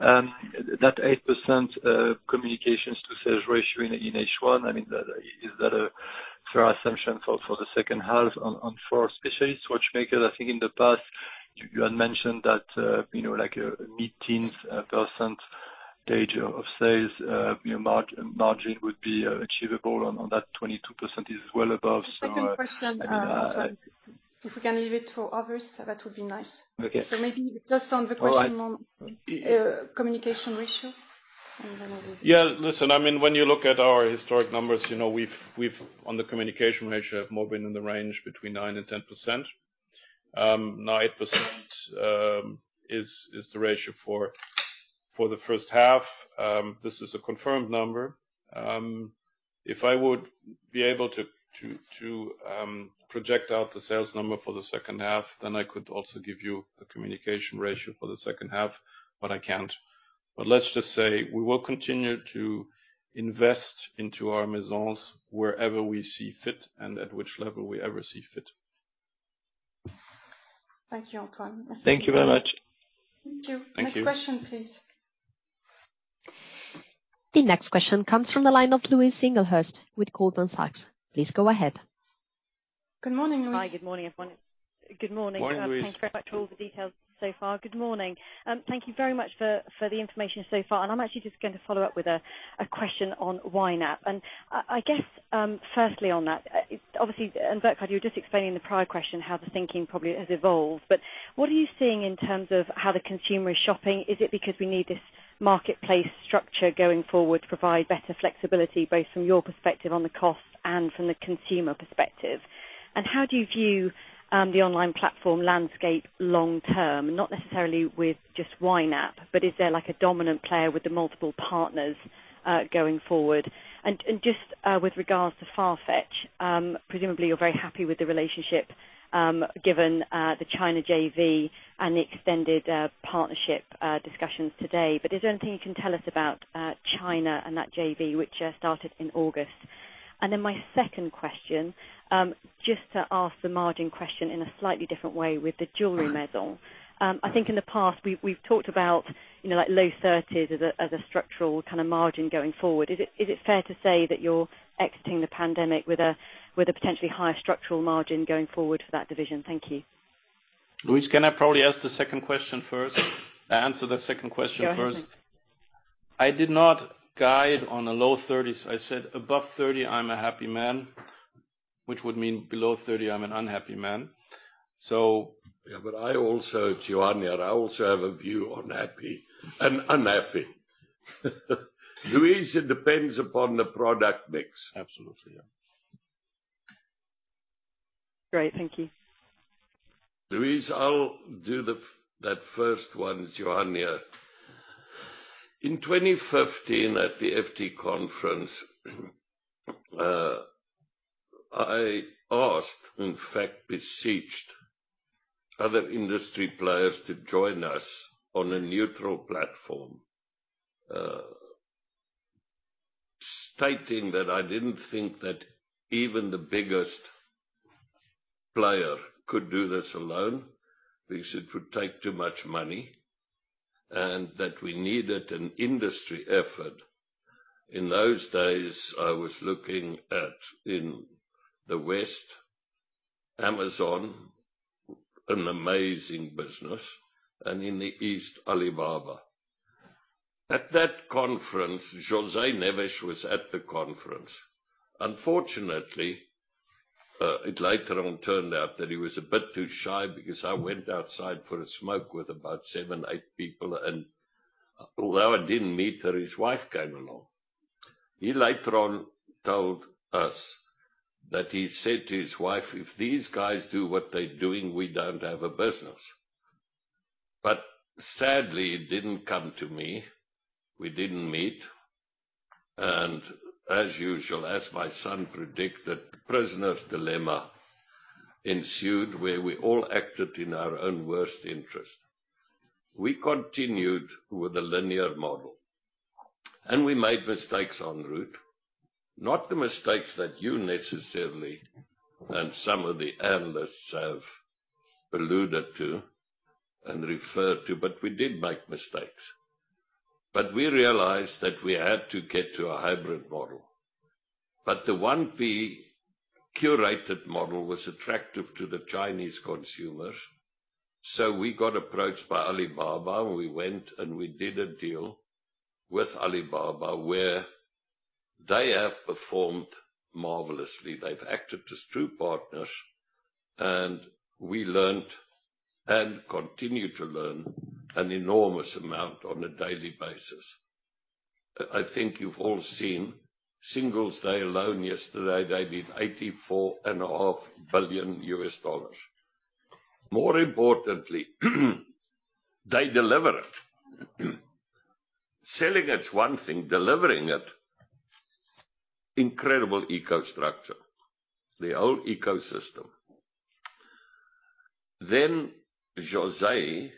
D: That 8% communications to sales ratio in H1, I mean, is that a fair assumption for the second half on four specialist watchmakers? I think in the past you had mentioned that, you know, like a mid-teens percent gauge of sales, you know, margin would be achievable on that 22% is well above, so I mean.
B: The second question, Antoine, if we can leave it to others, that would be nice.
D: Okay.
B: Maybe just on the question.
D: All right.
B: communication ratio, and then I will
C: Yeah. Listen, I mean, when you look at our historic numbers, you know, we've on the communication ratio have more been in the range between 9% and 10%. Nine percent is the ratio for the first half. This is a confirmed number. If I would be able to project out the sales number for the second half, then I could also give you a communication ratio for the second half, but I can't. Let's just say we will continue to invest into our Maisons wherever we see fit and at which level we ever see fit.
B: Thank you, Antoine.
D: Thank you very much.
B: Thank you.
C: Thank you.
B: Next question, please.
A: The next question comes from the line of Louise Singlehurst with Goldman Sachs. Please go ahead.
B: Good morning, Louise.
E: Hi, good morning, everyone. Good morning.
C: Morning, Louise.
E: Thanks very much for all the details so far. Good morning. Thank you very much for the information so far. I'm actually just going to follow up with a question on YNAP. I guess, firstly on that, obviously, Burkhart, you were just explaining in the prior question how the thinking probably has evolved. What are you seeing in terms of how the consumer is shopping? Is it because we need this marketplace structure going forward to provide better flexibility, both from your perspective on the cost and from the consumer perspective? How do you view the online platform landscape long term, not necessarily with just YNAP, but is there like a dominant player with the multiple partners going forward? Just with regards to Farfetch, presumably you're very happy with the relationship, given the China JV and the extended partnership discussions today. Is there anything you can tell us about China and that JV which started in August? Then my second question, just to ask the margin question in a slightly different way with the jewelry Maison. I think in the past we've talked about, you know, like low 30s% as a structural kind of margin going forward. Is it fair to say that you're exiting the pandemic with a potentially higher structural margin going forward for that division? Thank you.
C: Louise, can I probably ask the second question first? Answer the second question first.
F: Yeah.
C: I did not guide on the low 30s. I said above 30, I'm a happy man. Which would mean below 30, I'm an unhappy man.
F: I also, it's Johann here. I also have a view on happy and unhappy. Louise, it depends upon the product mix.
C: Absolutely, yeah.
E: Great. Thank you.
F: Louise, I'll do that first one. It's Johann here. In 2015 at the FT conference, I asked, in fact beseeched other industry players to join us on a neutral platform, stating that I didn't think that even the biggest player could do this alone, because it would take too much money, and that we needed an industry effort. In those days, I was looking at, in the West, Amazon, an amazing business, and in the East, Alibaba. At that conference, José Neves was at the conference. Unfortunately, it later on turned out that he was a bit too shy because I went outside for a smoke with about seven or eight people, and although I didn't meet her, his wife came along. He later on told us that he said to his wife, "If these guys do what they're doing, we don't have a business." Sadly, he didn't come to me. We didn't meet, and as usual, as my son predicted, prisoner's dilemma ensued, where we all acted in our own worst interest. We continued with the linear model, and we made mistakes en route. Not the mistakes that you necessarily and some of the analysts have alluded to and referred to, but we did make mistakes. We realized that we had to get to a hybrid model. The one we curated model was attractive to the Chinese consumers. We got approached by Alibaba, and we went and we did a deal with Alibaba, where they have performed marvelously. They've acted as true partners, and we learned and continue to learn an enormous amount on a daily basis. I think you've all seen Singles Day alone yesterday. They did $84.5 billion. More importantly, they deliver it. Selling it's one thing, delivering it, incredible infrastructure. The whole ecosystem. José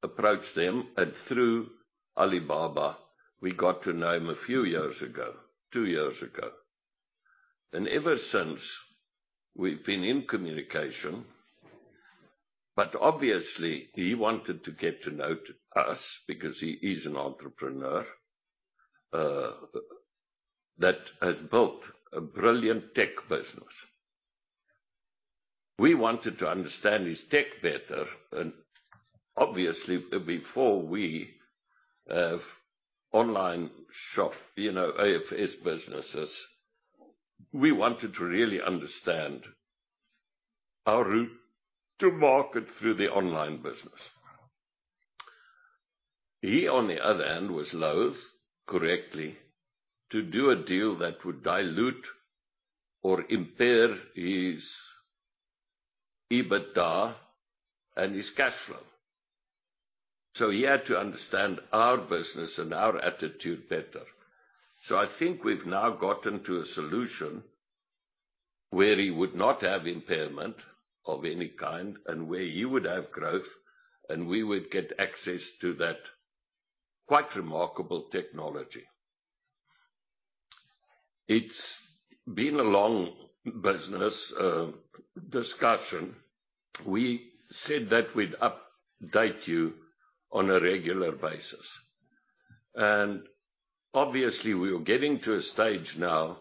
F: approached them, and through Alibaba, we got to know him a few years ago, two years ago. Ever since, we've been in communication. Obviously, he wanted to get to know us because he is an entrepreneur that has built a brilliant tech business. We wanted to understand his tech better. Obviously, before we have online shop, you know, uncertain, we wanted to really understand our route to market through the online business. He, on the other hand, was loath, correctly, to do a deal that would dilute or impair his EBITDA and his cash flow. He had to understand our business and our attitude better. I think we've now gotten to a solution where he would not have impairment of any kind and where he would have growth, and we would get access to that quite remarkable technology. It's been a long business discussion. We said that we'd update you on a regular basis. Obviously, we are getting to a stage now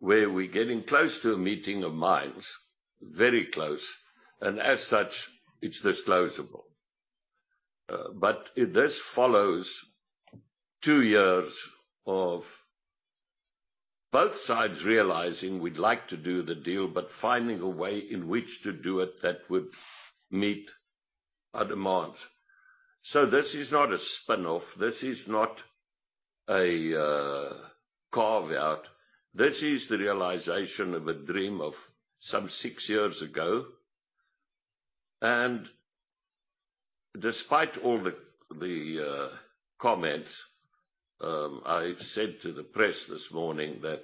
F: where we're getting close to a meeting of minds, very close, and as such, it's disclosable. This follows two years of both sides realizing we'd like to do the deal, but finding a way in which to do it that would meet our demands. This is not a spin-off. This is not a carve-out. This is the realization of a dream of some six years ago. Despite all the comments, I've said to the press this morning that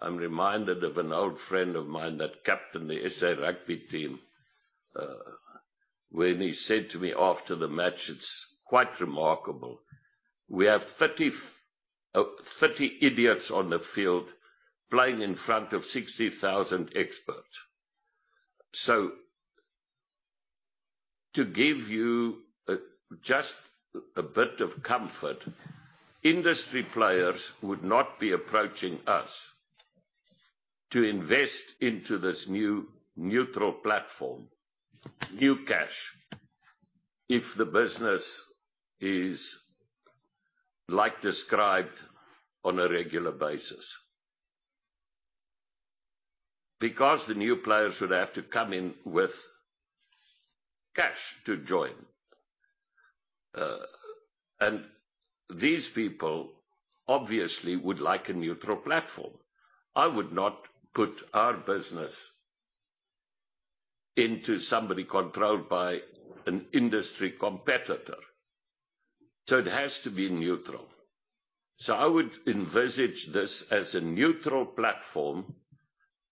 F: I'm reminded of an old friend of mine that captained the S.A. rugby team, when he said to me after the match, it's quite remarkable. We have 30 idiots on the field playing in front of 60,000 experts. To give you just a bit of comfort, industry players would not be approaching us. To invest into this new neutral platform, new cash, if the business is like described on a regular basis. Because the new players would have to come in with cash to join. These people obviously would like a neutral platform. I would not put our business into somebody controlled by an industry competitor. It has to be neutral. I would envisage this as a neutral platform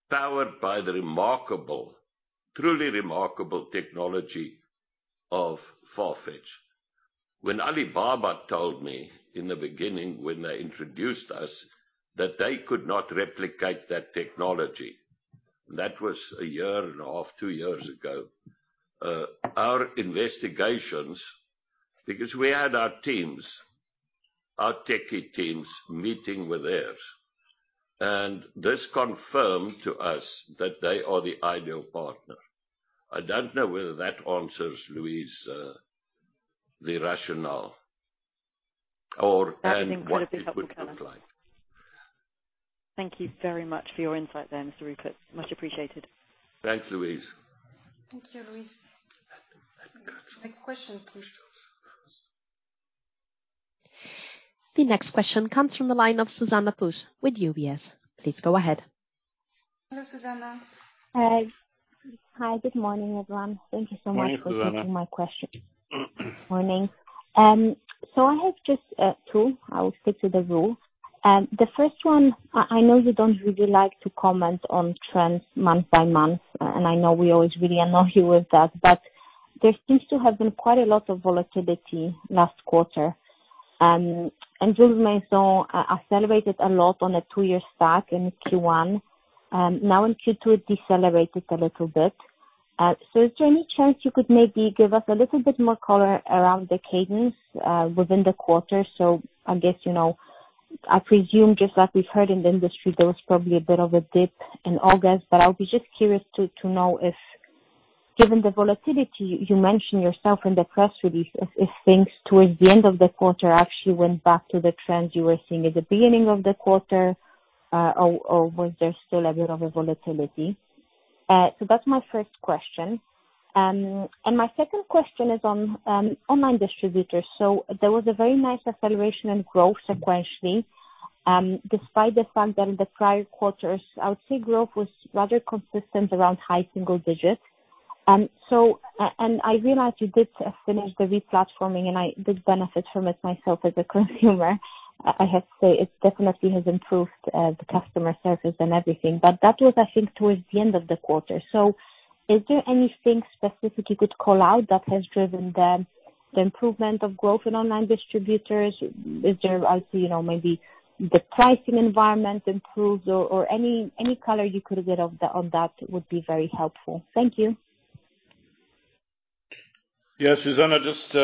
F: powered by the remarkable, truly remarkable technology of Farfetch. When Alibaba told me in the beginning when they introduced us that they could not replicate that technology, that was a year and a half, two years ago. Our investigations, because we had our teams, our techie teams meeting with theirs, and this confirmed to us that they are the ideal partner. I don't know whether that answers, Louise, the rationale or, and what it would look like.
E: That's incredibly helpful, Johann. Thank you very much for your insight there, Mr. Rupert. Much appreciated.
F: Thanks, Louise.
B: Thank you, Louise. Next question, please.
A: The next question comes from the line of Zuzanna Pusz with UBS. Please go ahead.
B: Hello, Zuzanna.
G: Hi. Good morning, everyone.
C: Morning, Zuzanna.
G: Thank you so much for taking my question. Morning. I have just two. I will stick to the rule. The first one, I know you don't really like to comment on trends month by month, and I know we always really annoy you with that, but there seems to have been quite a lot of volatility last quarter. Jewellery Maisons accelerated a lot on a two-year stack in Q1. Now in Q2, it decelerated a little bit. Is there any chance you could maybe give us a little bit more color around the cadence within the quarter? I guess, you know, I presume, just like we've heard in the industry, there was probably a bit of a dip in August. I would be just curious to know if, given the volatility you mentioned yourself in the press release, if things towards the end of the quarter actually went back to the trends you were seeing at the beginning of the quarter, or was there still a bit of a volatility? That's my first question. And my second question is on online distributors. There was a very nice acceleration in growth sequentially, despite the fact that in the prior quarters, I would say growth was rather consistent around high single digits. I realize you did finish the re-platforming, and I did benefit from it myself as a consumer. I have to say it definitely has improved the customer service and everything. That was, I think, towards the end of the quarter. Is there anything specific you could call out that has driven the improvement of growth in online distributors? Is there, I would say, you know, maybe the pricing environment improved or any color you could have gave of that, on that would be very helpful. Thank you.
C: Yeah. Zuzanna, just,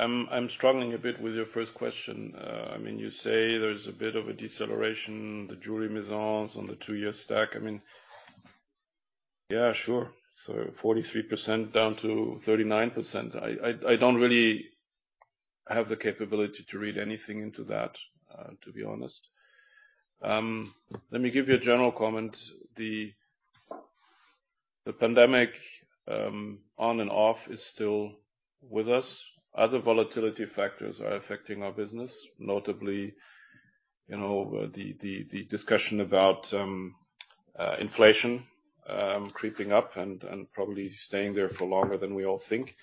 C: I'm struggling a bit with your first question. I mean, you say there's a bit of a deceleration, the Jewelry Maisons on the two-year stack. I mean, yeah, sure. So 43% down to 39%. I don't really have the capability to read anything into that, to be honest. Let me give you a general comment. The pandemic on and off is still with us. Other volatility factors are affecting our business, notably, you know, the discussion about inflation creeping up and probably staying there for longer than we all think.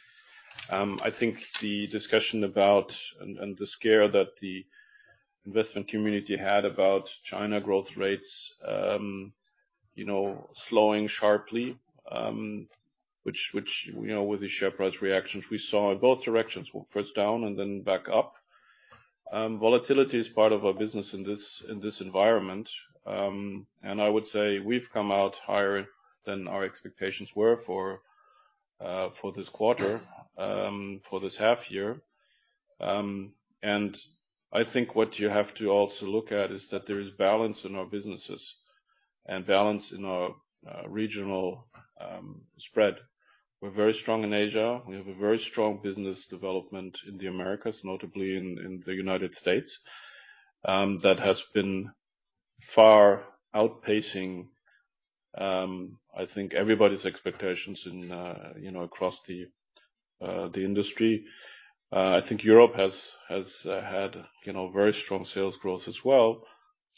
C: I think the discussion about and the scare that the investment community had about China growth rates, you know, slowing sharply, which, you know, with the share price reactions we saw in both directions. First down and then back up. Volatility is part of our business in this environment. I would say we've come out higher than our expectations were for this quarter, for this half year. I think what you have to also look at is that there is balance in our businesses and balance in our regional spread. We're very strong in Asia. We have a very strong business development in the Americas, notably in the United States, that has been far outpacing everybody's expectations, you know, across the industry. I think Europe has had very strong sales growth as well,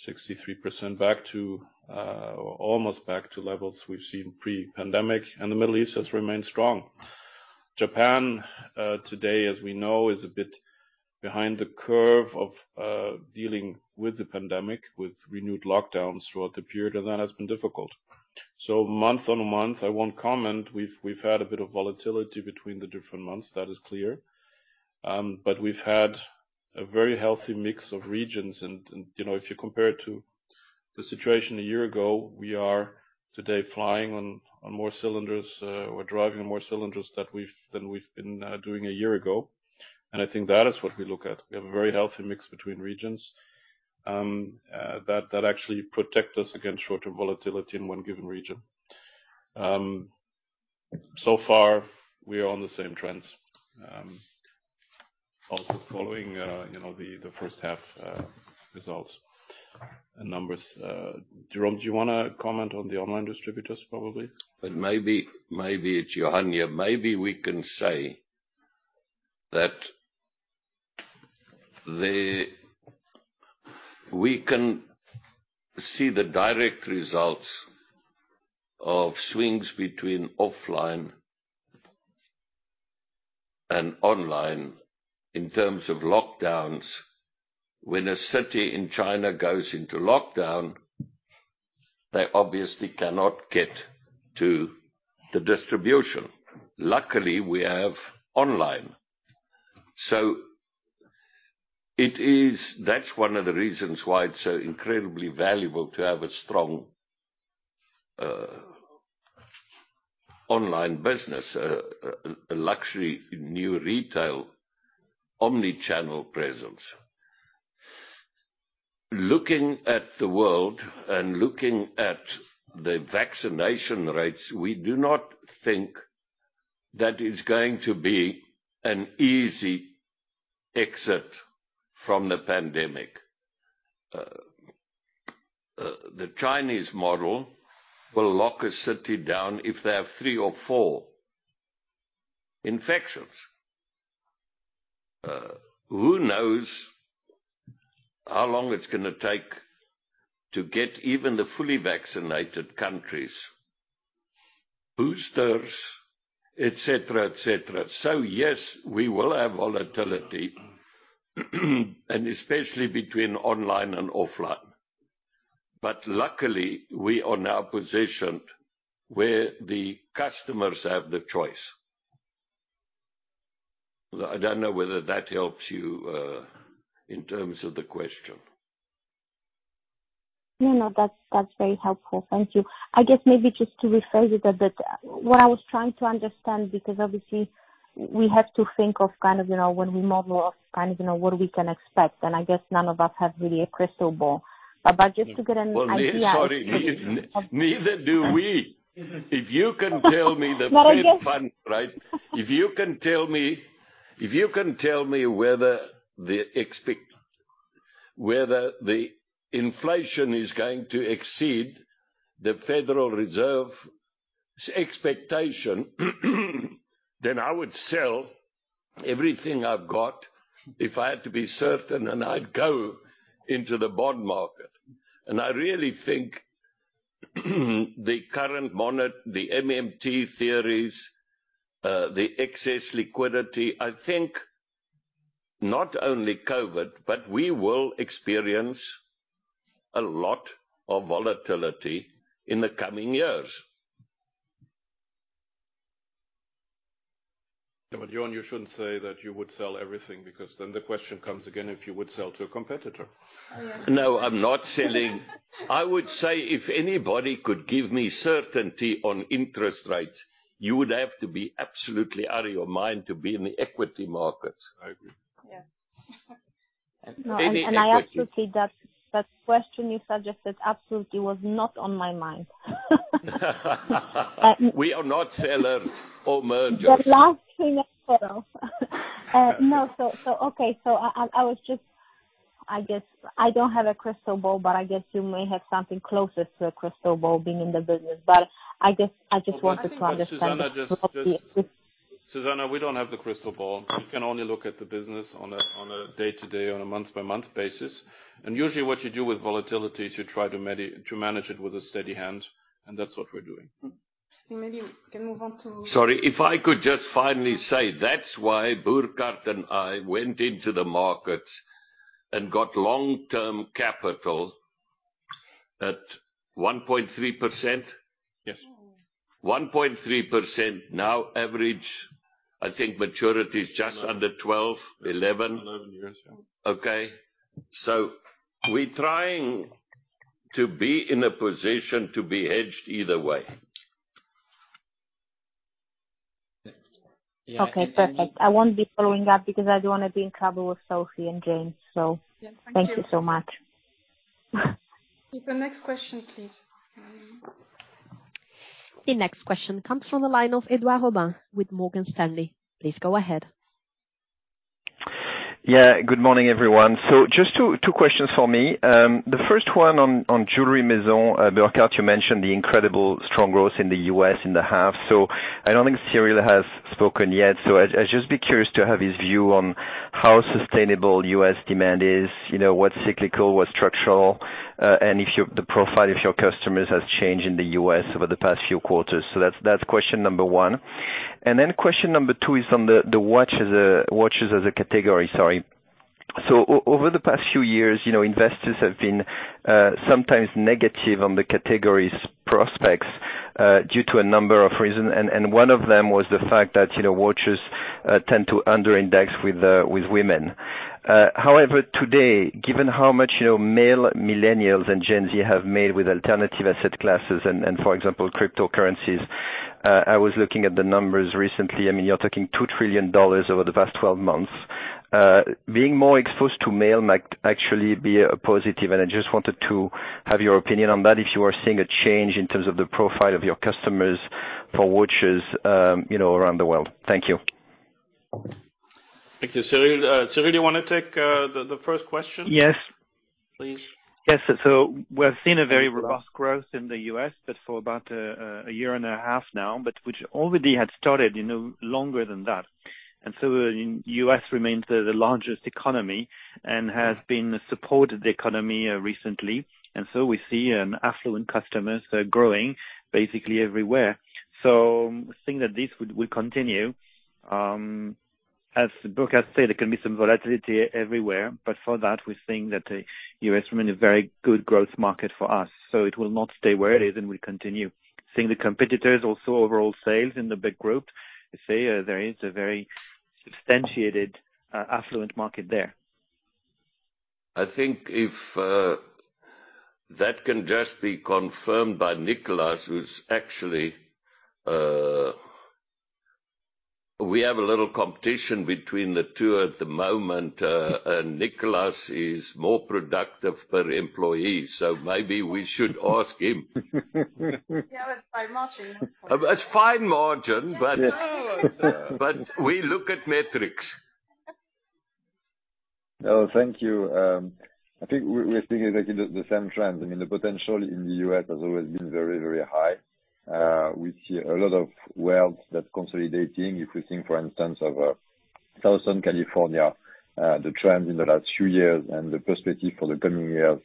C: 63% back to, or almost back to levels we've seen pre-pandemic. The Middle East has remained strong. Japan today, as we know, is a bit behind the curve of dealing with the pandemic, with renewed lockdowns throughout the period, and that has been difficult. Month on month, I won't comment. We've had a bit of volatility between the different months, that is clear. But we've had a very healthy mix of regions. You know, if you compare it to the situation a year ago, we are today flying on more cylinders. We're driving on more cylinders than we've been doing a year ago. I think that is what we look at. We have a very healthy mix between regions that actually protect us against short-term volatility in one given region. So far, we are on the same trends. Also, following, you know, the first half results and numbers. Johann, do you wanna comment on the online distributors probably?
F: Maybe it's Johann here. Maybe we can say that we can see the direct results of swings between offline and online in terms of lockdowns. When a city in China goes into lockdown, they obviously cannot get to the distribution. Luckily, we have online. It is, that's one of the reasons why it's so incredibly valuable to have a strong online business, a luxury new retail omni-channel presence. Looking at the world and looking at the vaccination rates, we do not think that it's going to be an easy exit from the pandemic. The Chinese model will lock a city down if they have three or four infections. Who knows how long it's gonna take to get even the fully vaccinated countries boosters, et cetera, et cetera. Yes, we will have volatility, and especially between online and offline. Luckily, we are now positioned where the customers have the choice. I don't know whether that helps you, in terms of the question.
G: No, that's very helpful. Thank you. I guess maybe just to rephrase it a bit, what I was trying to understand, because obviously we have to think of kind of, you know, when we model of kind of, you know, what we can expect, and I guess none of us have really a crystal ball. Just to get an idea-
F: Well, sorry, neither do we. If you can tell me the-
G: No, I guess.
F: If you can tell me whether the inflation is going to exceed the Federal Reserve's expectation, then I would sell everything I've got if I had to be certain, and I'd go into the bond market. I really think the current MMT theories, the excess liquidity, I think not only COVID, but we will experience a lot of volatility in the coming years.
C: Yeah, Johann, you shouldn't say that you would sell everything because then the question comes again if you would sell to a competitor.
F: No, I'm not selling. I would say if anybody could give me certainty on interest rates, you would have to be absolutely out of your mind to be in the equity markets.
C: I agree.
G: Yes.
F: Any equity
G: No. That question you suggested absolutely was not on my mind.
F: We are not sellers or mergers.
G: The last thing I thought of. No. Okay. I was just. I guess I don't have a crystal ball, but I guess you may have something closer to a crystal ball being in the business, but I guess I just wanted to understand.
C: Zuzanna , we don't have the crystal ball. We can only look at the business on a day-to-day, on a month-by-month basis. Usually what you do with volatility is you try to manage it with a steady hand, and that's what we're doing.
G: Maybe we can move on to.
F: Sorry, if I could just finally say, that's why Burkhart and I went into the markets and got long-term capital at 1.3%.
C: Yes.
F: 1.3% now average. I think maturity is just under 12, 11.
C: 11 years, yeah.
F: Okay. We're trying to be in a position to be hedged either way.
G: Okay, perfect. I won't be following up because I don't wanna be in trouble with Sophie and James. Thank you so much.
B: The next question, please.
A: The next question comes from the line of Edouard Aubin with Morgan Stanley. Please go ahead.
H: Good morning, everyone. Just two questions for me. The first one on jewelry maison. Burkhart, you mentioned the incredibly strong growth in the U.S. in the half. I don't think Cyrille has spoken yet. I'd just be curious to have his view on how sustainable U.S. demand is, you know, what's cyclical, what's structural, and if the profile of your customers has changed in the U.S. over the past few quarters. That's question number one. Question number two is on the watches as a category. Sorry. Over the past few years, you know, investors have been sometimes negative on the category's prospects due to a number of reasons. One of them was the fact that, you know, watches tend to under-index with women. however, today, given how much, you know, male millennials and Gen Z have made with alternative asset classes and, for example, cryptocurrencies I was looking at the numbers recently. I mean, you're talking $2 trillion over the past 12 months. Being more exposed to male might actually be a positive, and I just wanted to have your opinion on that, if you are seeing a change in terms of the profile of your customers for watches, you know, around the world. Thank you.
F: Thank you. Cyrille, you wanna take the first question?
I: Yes.
F: Please.
I: Yes. We're seeing a very robust growth in the U.S., but for about a year and a half now, but which already had started, you know, longer than that. The U.S. remains the largest economy and has been supporting the economy recently. We see affluent customers are growing basically everywhere. We think that this would, will continue. As Burkart Grund has said, there can be some volatility everywhere, but for that, we're seeing that the U.S. remains a very good growth market for us. It will not stay where it is, and we continue seeing the competitors also overall sales in the big group. You see, there is a very substantial affluent market there.
F: I think if that can just be confirmed by Nicolas, who's actually. We have a little competition between the two at the moment, Nicolas is more productive per employee, so maybe we should ask him.
B: Yeah, fine margin.
F: A fine margin, but we look at metrics.
J: No, thank you. I think we're seeing exactly the same trend. I mean, the potential in the U.S. has always been very, very high. We see a lot of wealth that's consolidating. If you think, for instance, of Southern California, the trend in the last few years and the perspective for the coming years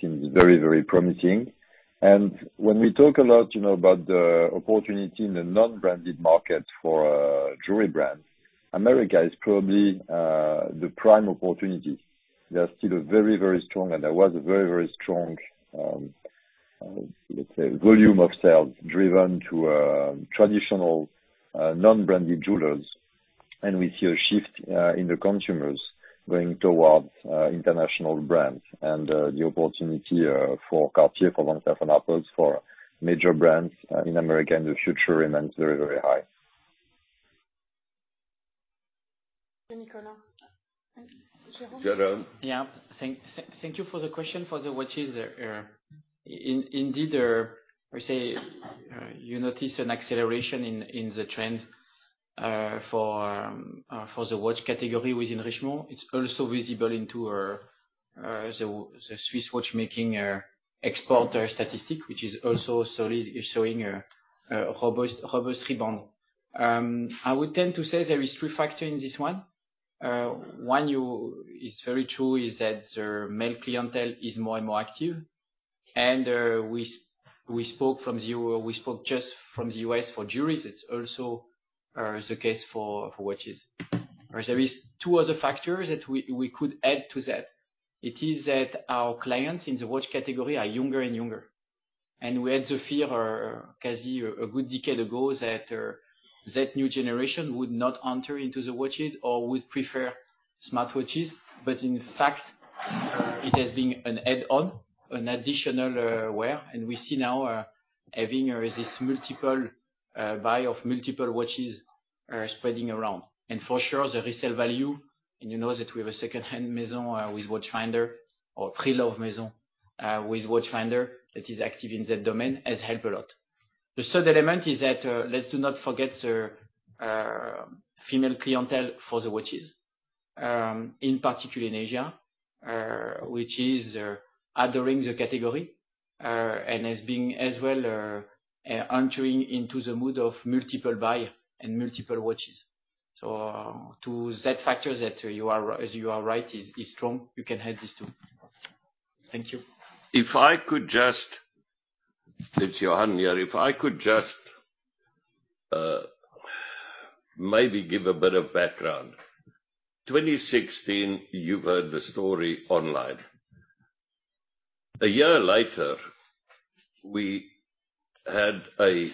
J: seems very, very promising. When we talk a lot, you know, about the opportunity in the non-branded market for jewelry brands, America is probably the prime opportunity. They are still very, very strong, and there was a very, very strong, let's say volume of sales driven to traditional non-branded jewelers. We see a shift in the consumers going towards international brands and the opportunity for Cartier, for Van Cleef & Arpels, for major brands in America in the future remains very, very high.
B: Nicolas. Thank you. Jérôme?
F: Jérôme.
K: Thank you for the question. For the watches, indeed, we say you notice an acceleration in the trend for the watch category within Richemont. It's also visible in the Swiss watchmaking export statistics, which are also solid, showing a robust rebound. I would tend to say there are three factors in this one. One, it is very true that the male clientele is more and more active. We spoke of Gen Z, we spoke just of the U.S. for jewelry. It's also the case for watches. There are two other factors that we could add to that. It is that our clients in the watch category are younger and younger, and we had the fear, circa a good decade ago that new generation would not enter into the watches or would prefer smartwatches. In fact, it has been an add-on, an additional wear, and we see now having this multiple buy of multiple watches spreading around. For sure, the resale value, and you know that we have a secondhand maison with Watchfinder or pre-loved maison with Watchfinder that is active in that domain has helped a lot. The third element is that, let's not forget the female clientele for the watches, in particular in Asia, which is entering the category and also entering into the mood of multiple buy and multiple watches. To that factor that you are, as you are right, is strong. You can add this too. Thank you.
F: It's Johann here. If I could just maybe give a bit of background. 2016, you've heard the story online. A year later, we had a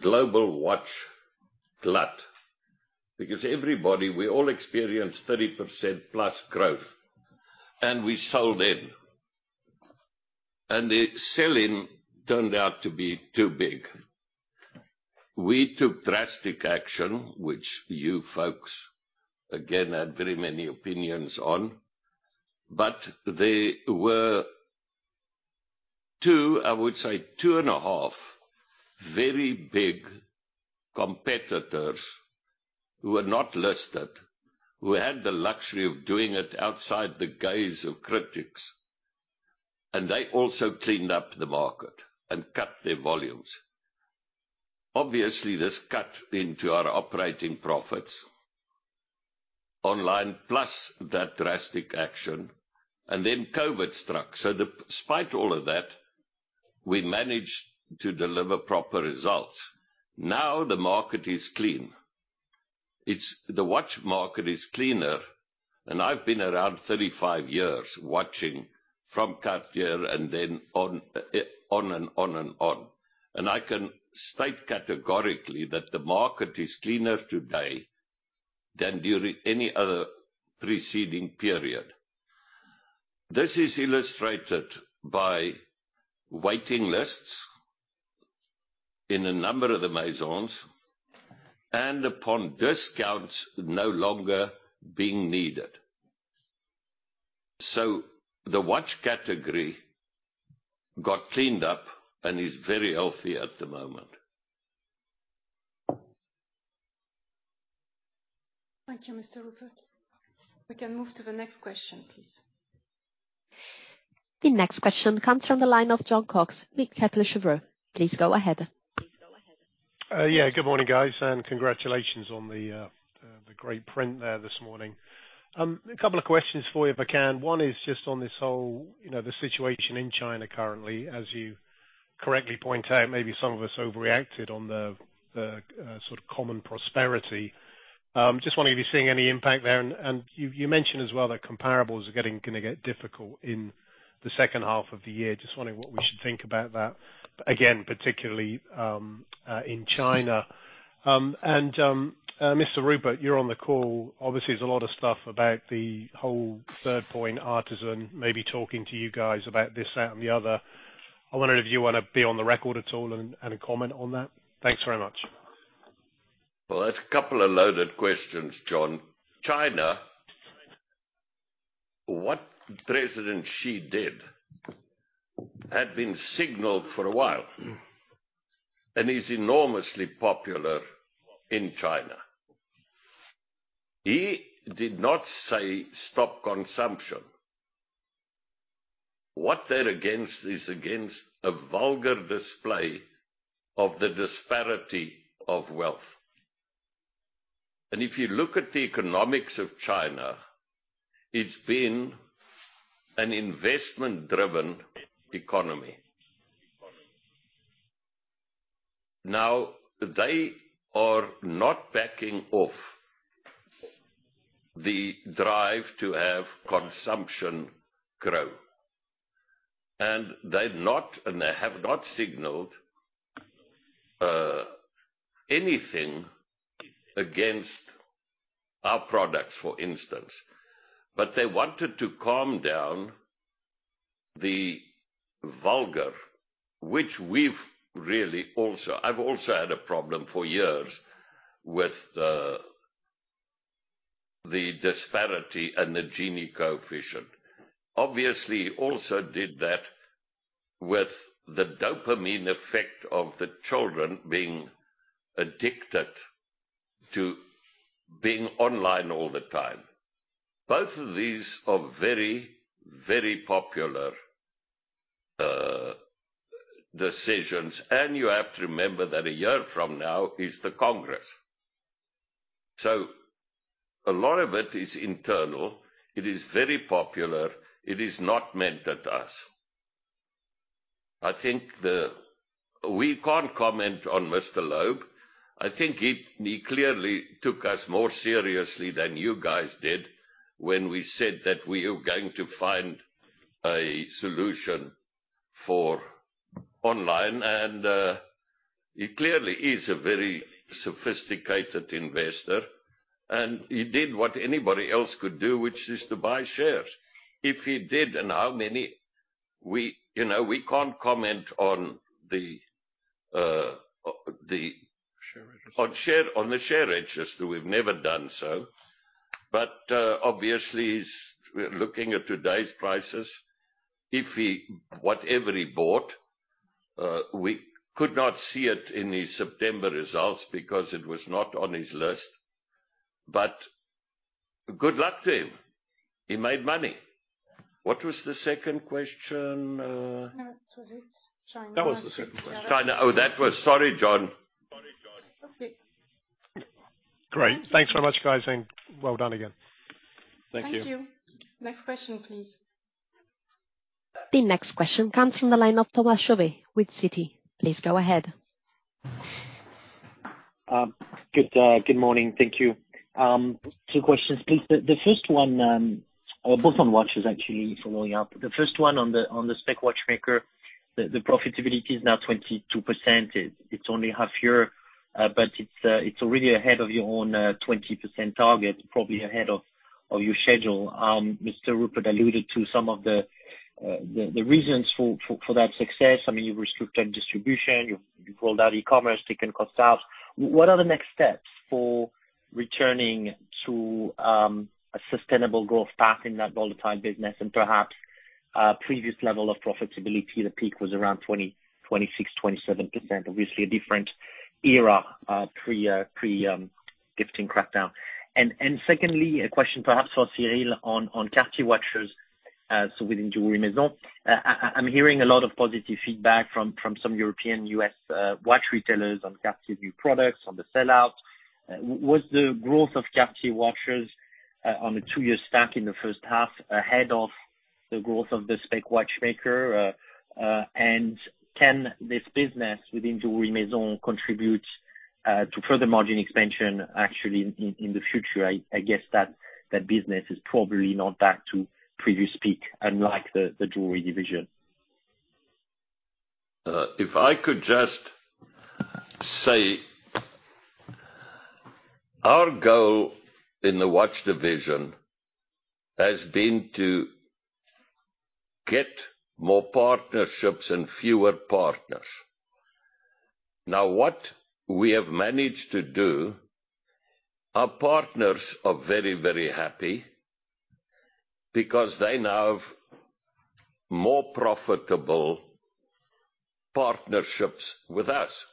F: global watch glut because everybody, we all experienced 30%+ growth, and we sold in. The sell-in turned out to be too big. We took drastic action, which you folks again had very many opinions on, but there were two, I would say, two and a half very big competitors who were not listed, who had the luxury of doing it outside the gaze of critics, and they also cleaned up the market and cut their volumes. Obviously, this cut into our operating profits only, plus that drastic action, and then COVID struck. Despite all of that, we managed to deliver proper results. Now the market is clean. The watch market is cleaner, and I've been around 35 years watching from Cartier and then on and on and on. I can state categorically that the market is cleaner today than during any other preceding period. This is illustrated by waiting lists in a number of the Maisons and upon discounts no longer being needed. The watch category got cleaned up and is very healthy at the moment.
B: Thank you, Mr. Rupert. We can move to the next question, please.
A: The next question comes from the line of Jon Cox. Please go ahead.
L: Yeah, good morning, guys, and congratulations on the great print there this morning. A couple of questions for you, if I can. One is just on this whole, you know, the situation in China currently. As you correctly point out, maybe some of us overreacted on the sort of common prosperity. Just wondering if you're seeing any impact there. You mentioned as well that comparables are gonna get difficult in the second half of the year. Just wondering what we should think about that again, particularly in China. Mr. Rupert, you're on the call. Obviously there's a lot of stuff about the whole Third Point activist maybe talking to you guys about this, that, and the other. I wonder if you wanna be on the record at all and comment on that. Thanks very much.
F: Well, that's a couple of loaded questions, Jon. China, what Xi Jinping did had been signaled for a while and is enormously popular in China. He did not say stop consumption. What they're against is a vulgar display of the disparity of wealth. If you look at the economics of China, it's been an investment-driven economy. Now, they are not backing off the drive to have consumption grow, and they have not signaled anything against our products, for instance. They wanted to calm down the vulgar, which we've really also had a problem for years with the disparity and the Gini coefficient. Obviously also did that with the dopamine effect of the children being addicted to being online all the time. Both of these are very, very popular decisions. You have to remember that a year from now is the Congress. A lot of it is internal. It is very popular. It is not aimed at us. I think we can't comment on Mr. Loeb. I think he clearly took us more seriously than you guys did when we said that we are going to find a solution for online. He clearly is a very sophisticated investor, and he did what anybody else could do, which is to buy shares. If he did and how many, we, you know, we can't comment on the-
C: Share registry.
F: On the share registry. We've never done so. Obviously he's looking at today's prices. If he whatever he bought, we could not see it in his September results because it was not on his list. Good luck to him. He made money. What was the second question?
B: No, that was it. China.
C: That was the second question.
F: China. Sorry, Jon.
B: Okay.
L: Great. Thanks very much, guys, and well done again.
F: Thank you.
B: Thank you. Next question, please.
A: The next question comes from the line of Thomas Chauvet with Citi. Please go ahead.
M: Good morning. Thank you. Two questions, please. The first one, both on watches actually following up. The first one on the specialist watchmakers, the profitability is now 22%. It's only half year, but it's already ahead of your own 20% target, probably ahead of your schedule. Mr. Rupert alluded to some of the reasons for that success. I mean, you've restricted distribution, you've rolled out e-commerce, taken costs out. What are the next steps for returning to a sustainable growth path in that volatile business and perhaps a previous level of profitability? The peak was around 26%-27%. Obviously a different era, pre gifting crackdown. Second, a question perhaps for Cyrille on Cartier watches, so within Jewelry Maison. I'm hearing a lot of positive feedback from some European, U.S. watch retailers on Cartier's new products, on the sell-out. Was the growth of Cartier watches on a two-year stack in the first half ahead of the growth of the sector watchmakers? And can this business within Jewelry Maison contribute to further margin expansion actually in the future? I guess that business is probably not back to previous peak, unlike the jewelry division.
F: If I could just say. Our goal in the watch division has been to get more partnerships and fewer partners. Now, what we have managed to do, our partners are very, very happy because they now have more profitable partnerships with us.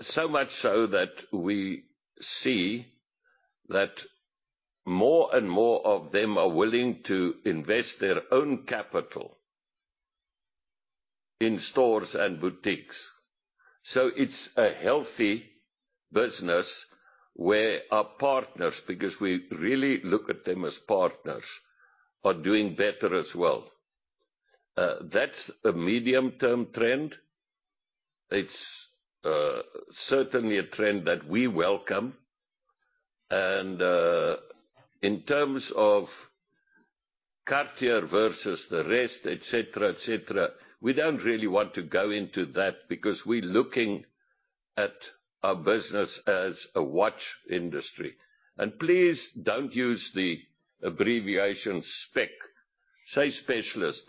F: So much so that we see that more and more of them are willing to invest their own capital in stores and boutiques. It's a healthy business where our partners, because we really look at them as partners, are doing better as well. That's a medium-term trend. It's certainly a trend that we welcome. In terms of Cartier versus the rest, et cetera, et cetera, we don't really want to go into that because we're looking at our business as a watch industry. Please don't use the abbreviation spec. specialist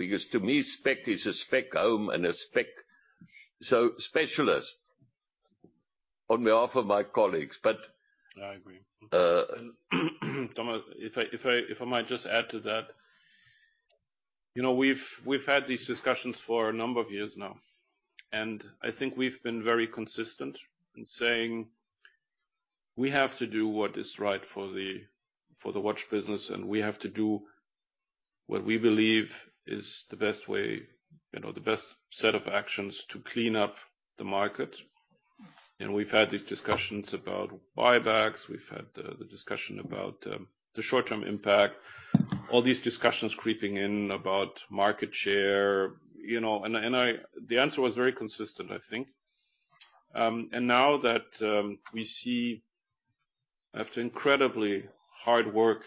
F: on behalf of my colleagues.
C: I agree. Thomas, if I might just add to that. You know, we've had these discussions for a number of years now, and I think we've been very consistent in saying we have to do what is right for the watch business, and we have to do what we believe is the best way, you know, the best set of actions to clean up the market. We've had these discussions about buybacks. We've had the discussion about the short-term impact. All these discussions creeping in about market share, you know. The answer was very consistent, I think. Now that we see after incredibly hard work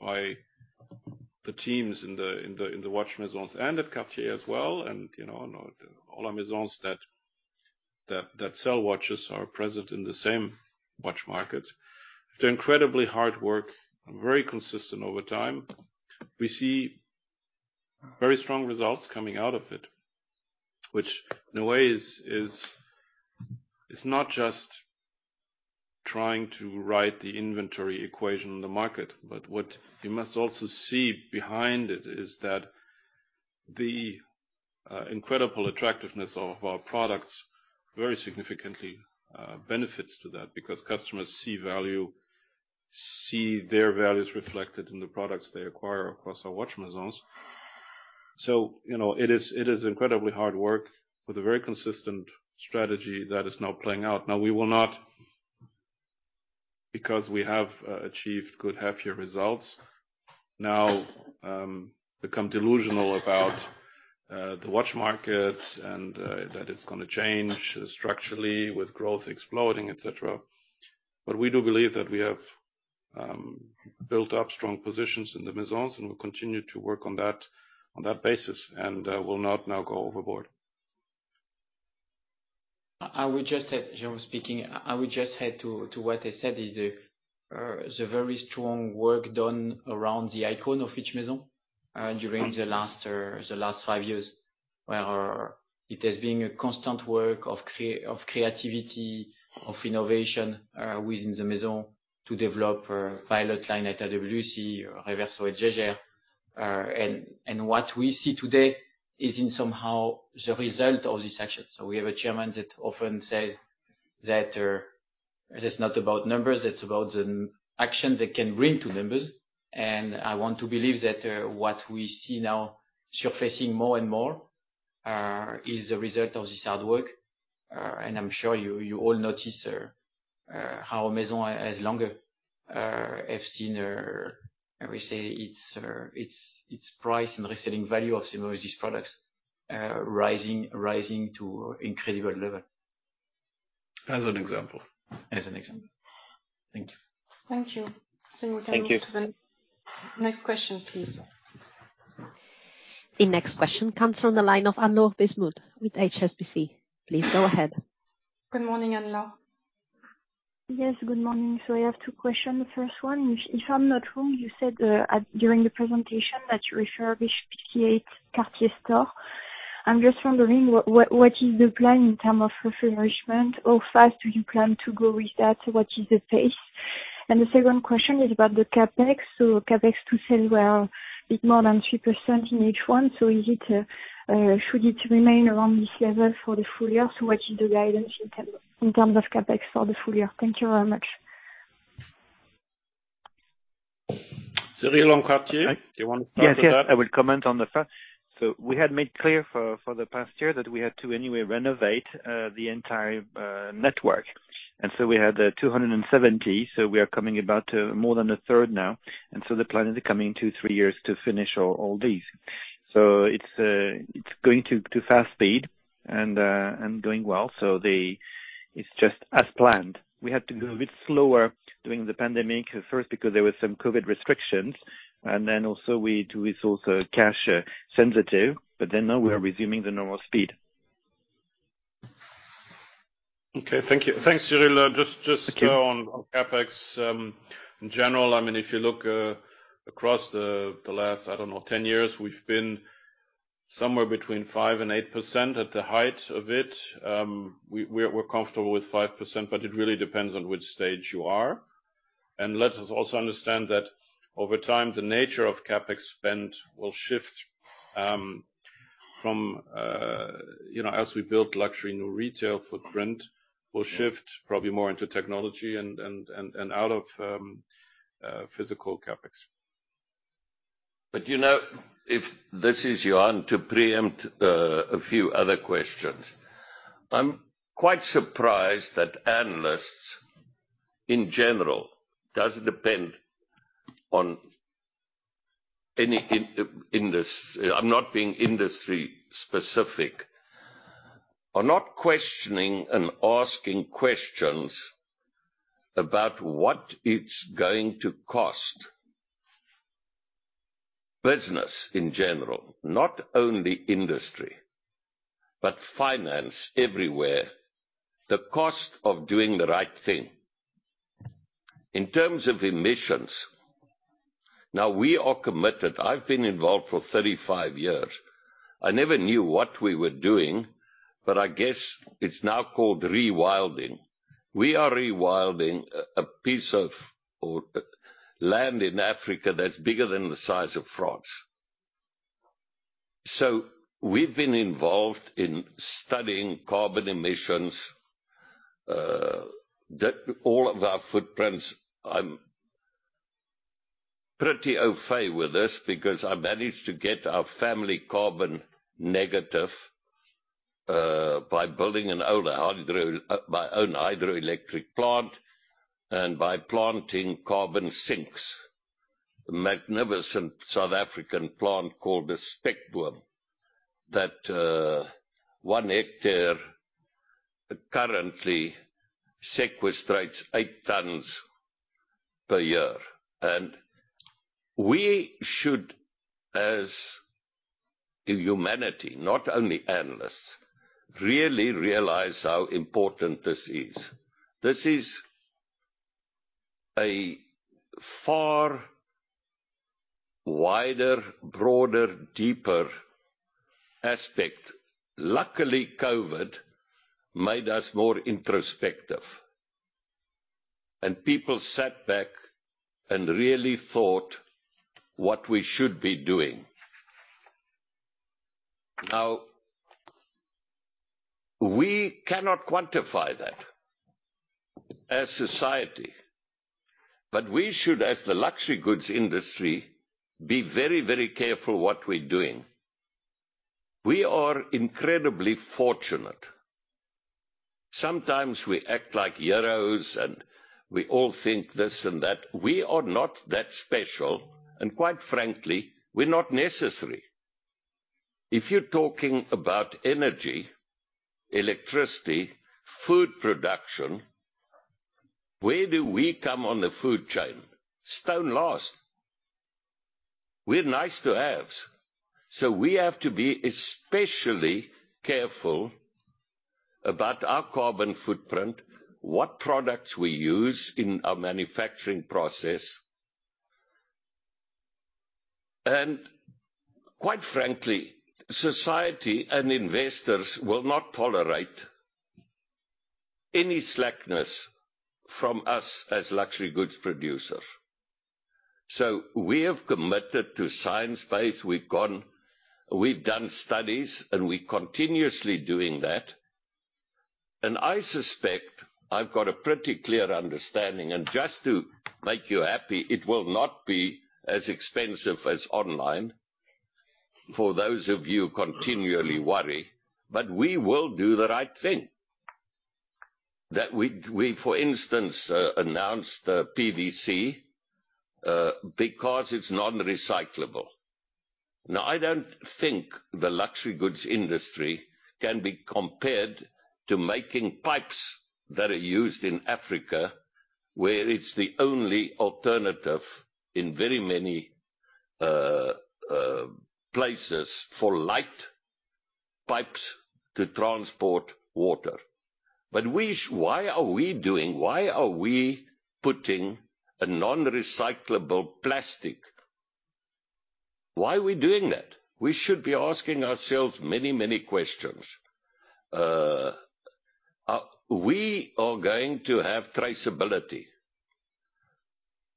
C: by the teams in the watch maisons and at Cartier as well, you know, all our maisons that sell watches are present in the same watch market. After incredibly hard work and very consistent over time, we see very strong results coming out of it. Which in a way is not just trying to right the inventory equation in the market. What you must also see behind it is that the incredible attractiveness of our products very significantly benefits to that because customers see value, see their values reflected in the products they acquire across our watch maisons. You know, it is incredibly hard work with a very consistent strategy that is now playing out. Now, we will not, because we have achieved good half-year results, become delusional about the watch market and that it's gonna change structurally with growth exploding, et cetera. We do believe that we have built up strong positions in the maisons and will continue to work on that basis and will not now go overboard.
K: I would just add, Jérôme speaking, I would just add to what I said is the very strong work done around the icon of each maison during the last five years. It has been a constant work of creativity, of innovation, within the maison to develop a pilot line at IWC or Reverso at Jaeger. What we see today is somehow the result of this action. We have a chairman that often says that it is not about numbers, it's about an action that can bring to numbers. I want to believe that what we see now surfacing more and more is a result of this hard work. I'm sure you all notice how we have seen its price and resale value of some of these products rising to incredible levels.
C: As an example.
K: As an example. Thank you.
B: Thank you. We can move to the next question, please.
A: The next question comes from the line of Anne-Laure Blismut with HSBC. Please go ahead.
B: Good morning, Anne-Laure.
N: Yes, good morning. I have two question. The first one, if I'm not wrong, you said during the presentation that you refurbished 58 Cartier store. I'm just wondering what is the plan in terms of refurbishment? How fast do you plan to go with that? What is the pace? The second question is about the CapEx. CapEx to sales were a bit more than 3% in H1. Is it should it remain around this level for the full year? What is the guidance in terms of CapEx for the full year? Thank you very much.
F: Cyrille on Cartier. Do you want to start with that?
I: Yes, yes. I will comment on the first. We had made clear for the past year that we had to anyway renovate the entire network. We had 270. We are coming about to more than a third now. The plan is in 2-3 years to finish all these. It's going to fast speed and doing well. It's just as planned. We had to go a bit slower during the pandemic at first because there were some COVID restrictions. Then also we had to be cash sensitive. Now we are resuming the normal speed.
C: Okay, thank you. Thanks, Cyril. Just on CapEx, in general, I mean, if you look across the last, I don't know, 10 years, we've been somewhere between 5% and 8% at the height of it. We're comfortable with 5%, but it really depends on which stage you are. Let us also understand that over time, the nature of CapEx spend will shift, from, you know, as we build luxury new retail footprint, will shift probably more into technology and out of physical CapEx.
F: You know, this is Johann, to preempt a few other questions. I'm quite surprised that analysts in general, I'm not being industry-specific, are not questioning and asking questions about what it's going to cost business in general, not only industry, but finance everywhere, the cost of doing the right thing in terms of emissions. Now, we are committed. I've been involved for 35 years. I never knew what we were doing, but I guess it's now called rewilding. We are rewilding a piece of land in Africa that's bigger than the size of France. We've been involved in studying carbon emissions that all of our footprints. I'm pretty au fait with this because I managed to get our family carbon negative by building my own hydroelectric plant, and by planting carbon sinks. Magnificent South African plant called the spekboom, that one hectare currently sequestrates 8 tons per year. We should, as humanity, not only analysts, really realize how important this is. This is a far wider, broader, deeper aspect. Luckily, COVID made us more introspective, and people sat back and really thought what we should be doing. Now, we cannot quantify that as society, but we should, as the luxury goods industry, be very, very careful what we're doing. We are incredibly fortunate. Sometimes we act like heroes, and we all think this and that. We are not that special, and quite frankly, we're not necessary. If you're talking about energy, electricity, food production, where do we come on the food chain? Stone last. We're nice-to-haves. We have to be especially careful about our carbon footprint, what products we use in our manufacturing process. Quite frankly, society and investors will not tolerate any slackness from us as luxury goods producers. We have committed to science-based. We've done studies, and we continuously doing that. I suspect I've got a pretty clear understanding. Just to make you happy, it will not be as expensive as online for those of you who continually worry. We will do the right thing. That we for instance announced PVC because it's non-recyclable. Now, I don't think the luxury goods industry can be compared to making pipes that are used in Africa, where it's the only alternative in very many places for light pipes to transport water. Why are we doing? Why are we putting a non-recyclable plastic? Why are we doing that? We should be asking ourselves many, many questions. We are going to have traceability.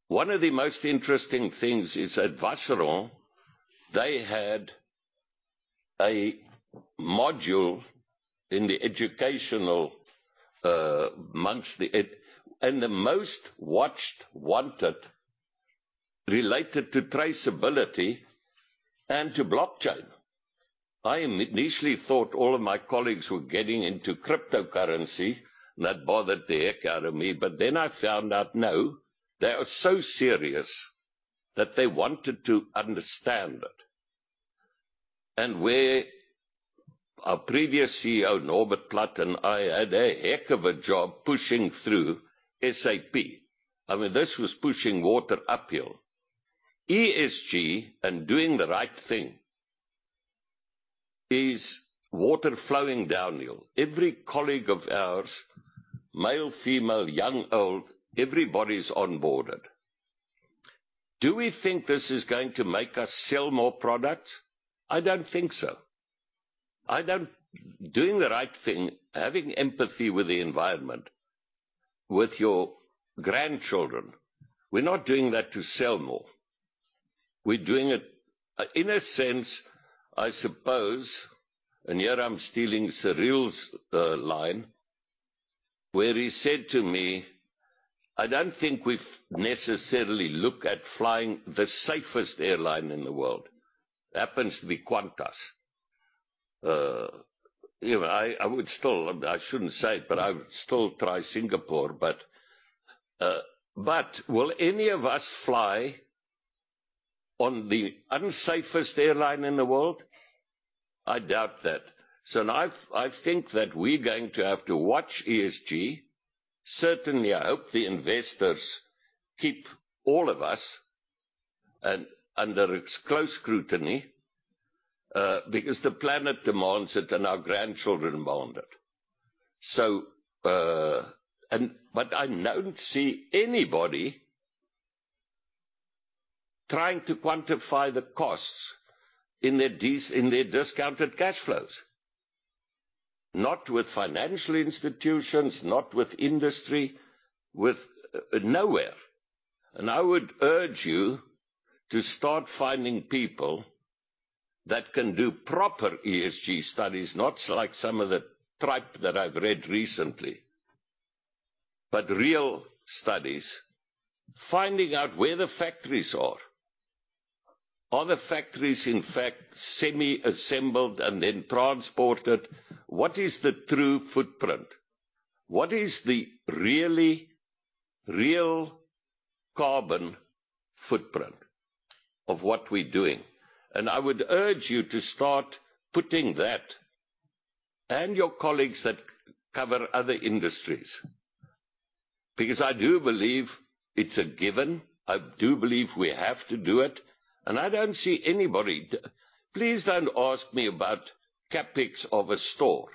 F: One of the most interesting things is at Vacheron Constantin, they had a module in the educational months. The most watched, wanted, related to traceability and to blockchain. I initially thought all of my colleagues were getting into cryptocurrency, and that bothered the heck out of me. Then I found out, no, they are so serious that they wanted to understand it. Where our previous CEO, Norbert Platt, and I had a heck of a job pushing through SAP. I mean, this was pushing water uphill. ESG and doing the right thing is water flowing downhill. Every colleague of ours, male, female, young, old, everybody's onboarded. Do we think this is going to make us sell more products? I don't think so. I don't Doing the right thing, having empathy with the environment, with your grandchildren, we're not doing that to sell more. We're doing it, in a sense, I suppose, and here I'm stealing Cyril's line, where he said to me, "I don't think we necessarily look at flying the safest airline in the world." Happens to be Qantas. You know, I would still try Singapore, but will any of us fly on the unsafest airline in the world? I doubt that. I think that we're going to have to watch ESG. Certainly, I hope the investors keep all of us under close scrutiny, because the planet demands it and our grandchildren demand it. But I don't see anybody trying to quantify the costs in their discounted cash flows. Not with financial institutions, not with industry. Nowhere. I would urge you to start finding people that can do proper ESG studies, not like some of the tripe that I've read recently. Real studies, finding out where the factories are. Are the factories, in fact, semi-assembled and then transported? What is the true footprint? What is the really real carbon footprint of what we're doing? I would urge you to start putting that, and your colleagues that cover other industries. Because I do believe it's a given. I do believe we have to do it. I don't see anybody. Please don't ask me about CapEx of a store.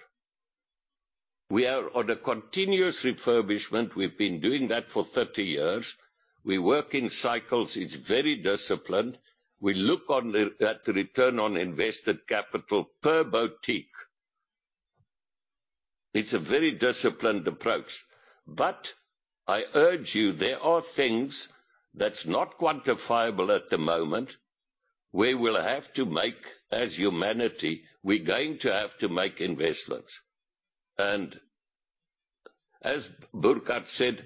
F: We are on a continuous refurbishment. We've been doing that for 30 years. We work in cycles. It's very disciplined. We look at the return on invested capital per boutique. It's a very disciplined approach. I urge you, there are things that's not quantifiable at the moment we will have to make as humanity, we're going to have to make investments. As Burkhart said,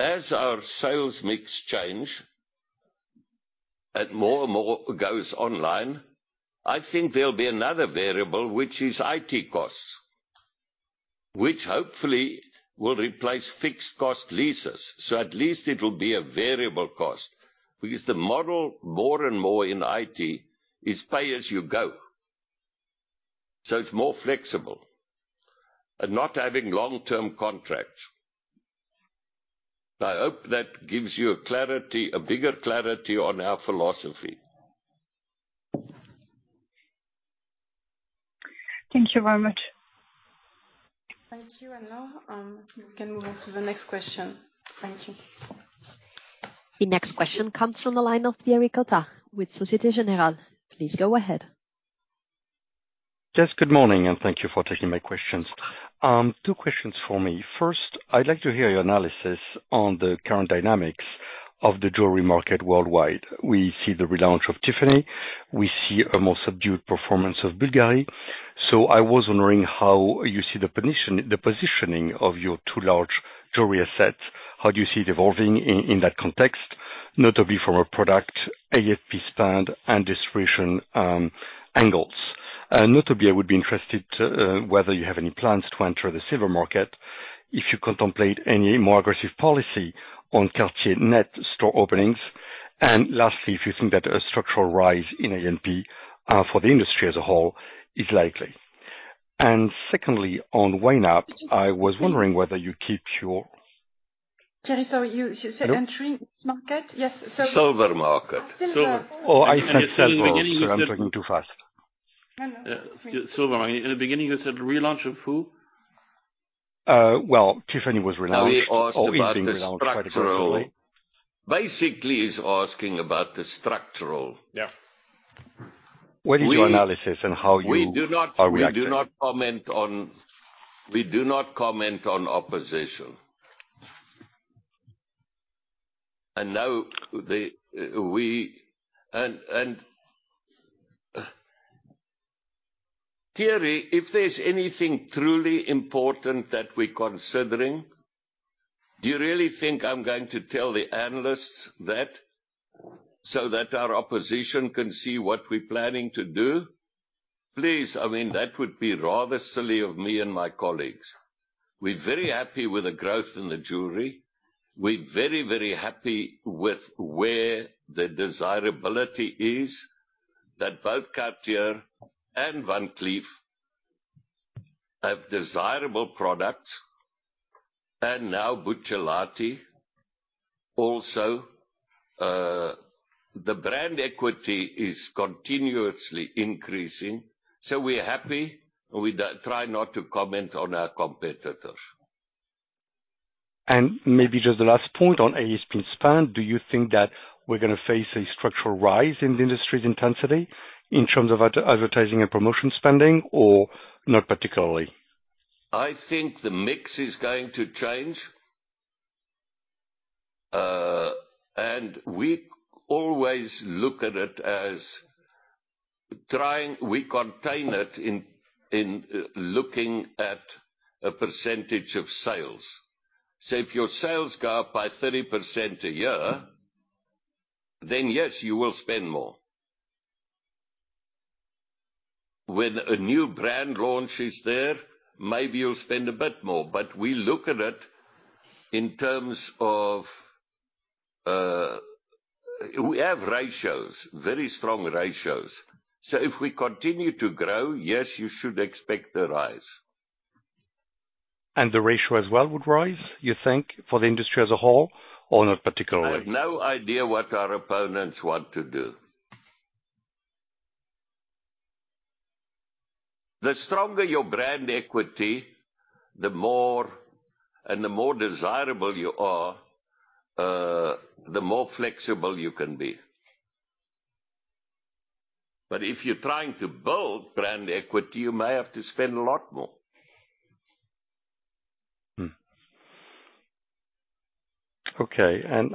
F: as our sales mix change and more and more goes online, I think there'll be another variable, which is IT costs. Which hopefully will replace fixed cost leases. At least it will be a variable cost. Because the model more and more in IT is pay as you go. It's more flexible and not having long-term contracts. I hope that gives you a clarity, a bigger clarity on our philosophy.
N: Thank you very much.
B: Thank you. Now, we can move on to the next question. Thank you.
A: The next question comes from the line of Thierry Cota with Société Générale. Please go ahead.
O: Yes, good morning, and thank you for taking my questions. Two questions for me. First, I'd like to hear your analysis on the current dynamics of the jewelry market worldwide. We see the relaunch of Tiffany. We see a more subdued performance of Bulgari. I was wondering how you see the position, the positioning of your two large jewelry assets. How do you see it evolving in that context? Notably from a product, ad spend and distribution angles. Notably, I would be interested to whether you have any plans to enter the silver market. If you contemplate any more aggressive policy on Cartier new store openings. And lastly, if you think that a structural rise in ASP for the industry as a whole is likely. Secondly, on YNAP, I was wondering whether you keep your-
B: Thierry, sorry, you said entry market? Yes.
F: Silver market.
B: Oh, silver.
O: Oh, I said several. I'm talking too fast.
B: No, no. It's okay.
F: Silver market. In the beginning, you said relaunch of who?
O: Tiffany was relaunched.
F: Now, he asked about the structural. Basically, he's asking about the structural.
O: Yeah. What is your analysis and how are you reacting?
F: We do not comment on opposition. Thierry, if there's anything truly important that we're considering, do you really think I'm going to tell the analysts that so that our opposition can see what we're planning to do? Please. I mean, that would be rather silly of me and my colleagues. We're very happy with the growth in the jewelry. We're very, very happy with where the desirability is that both Cartier and Van Cleef & Arpels of desirable products. Buccellati also, the brand equity is continuously increasing. We're happy. We try not to comment on our competitors.
O: Maybe just the last point on ASP spend. Do you think that we're gonna face a structural rise in the industry's intensity in terms of advertising and promotion spending, or not particularly?
F: I think the mix is going to change. We always look at it as we contain it in looking at a percentage of sales. If your sales go up by 30% a year, then yes, you will spend more. When a new brand launch is there, maybe you'll spend a bit more. We look at it in terms of, we have ratios, very strong ratios. If we continue to grow, yes, you should expect a rise.
O: The ratio as well would rise, you think, for the industry as a whole, or not particularly?
F: I have no idea what our opponents want to do. The stronger your brand equity, the more and the more desirable you are, the more flexible you can be. If you're trying to build brand equity, you may have to spend a lot more.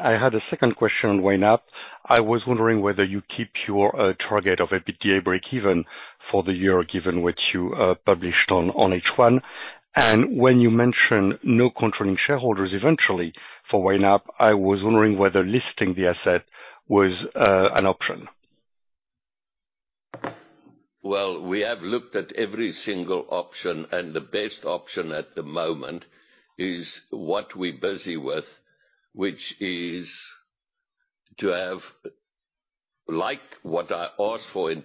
O: I had a second question on YNAP. I was wondering whether you keep your target of EBITDA breakeven for the year, given what you published on H1. When you mention no controlling shareholders eventually for YNAP, I was wondering whether listing the asset was an option.
F: Well, we have looked at every single option, and the best option at the moment is what we're busy with, which is, like, what I asked for in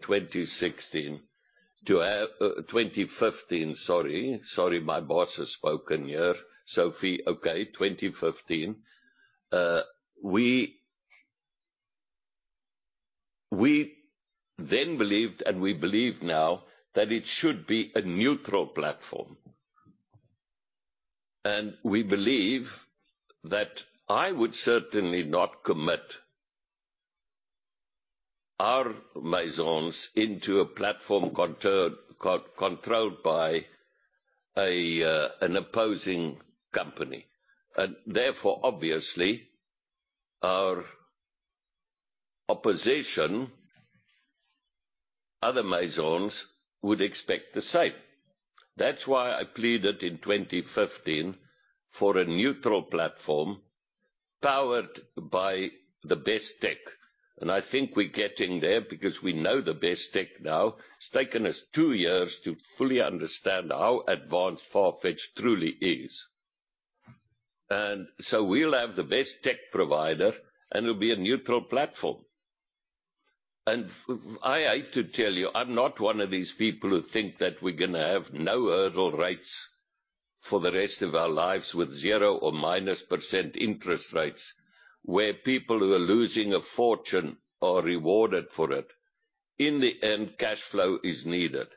F: 2015. Sorry, my boss has spoken here. Sophie. Okay, 2015. We then believed, and we believe now that it should be a neutral platform. We believe that we would certainly not commit our Maisons into a platform controlled by an opposing company. Therefore, obviously, our opposition, other Maisons, would expect the same. That's why I pleaded in 2015 for a neutral platform powered by the best tech. I think we're getting there because we know the best tech now. It's taken us 2 years to fully understand how advanced Farfetch truly is. We'll have the best tech provider, and it'll be a neutral platform. I hate to tell you, I'm not one of these people who think that we're gonna have no hurdle rates for the rest of our lives with 0% or minus % interest rates, where people who are losing a fortune are rewarded for it. In the end, cash flow is needed.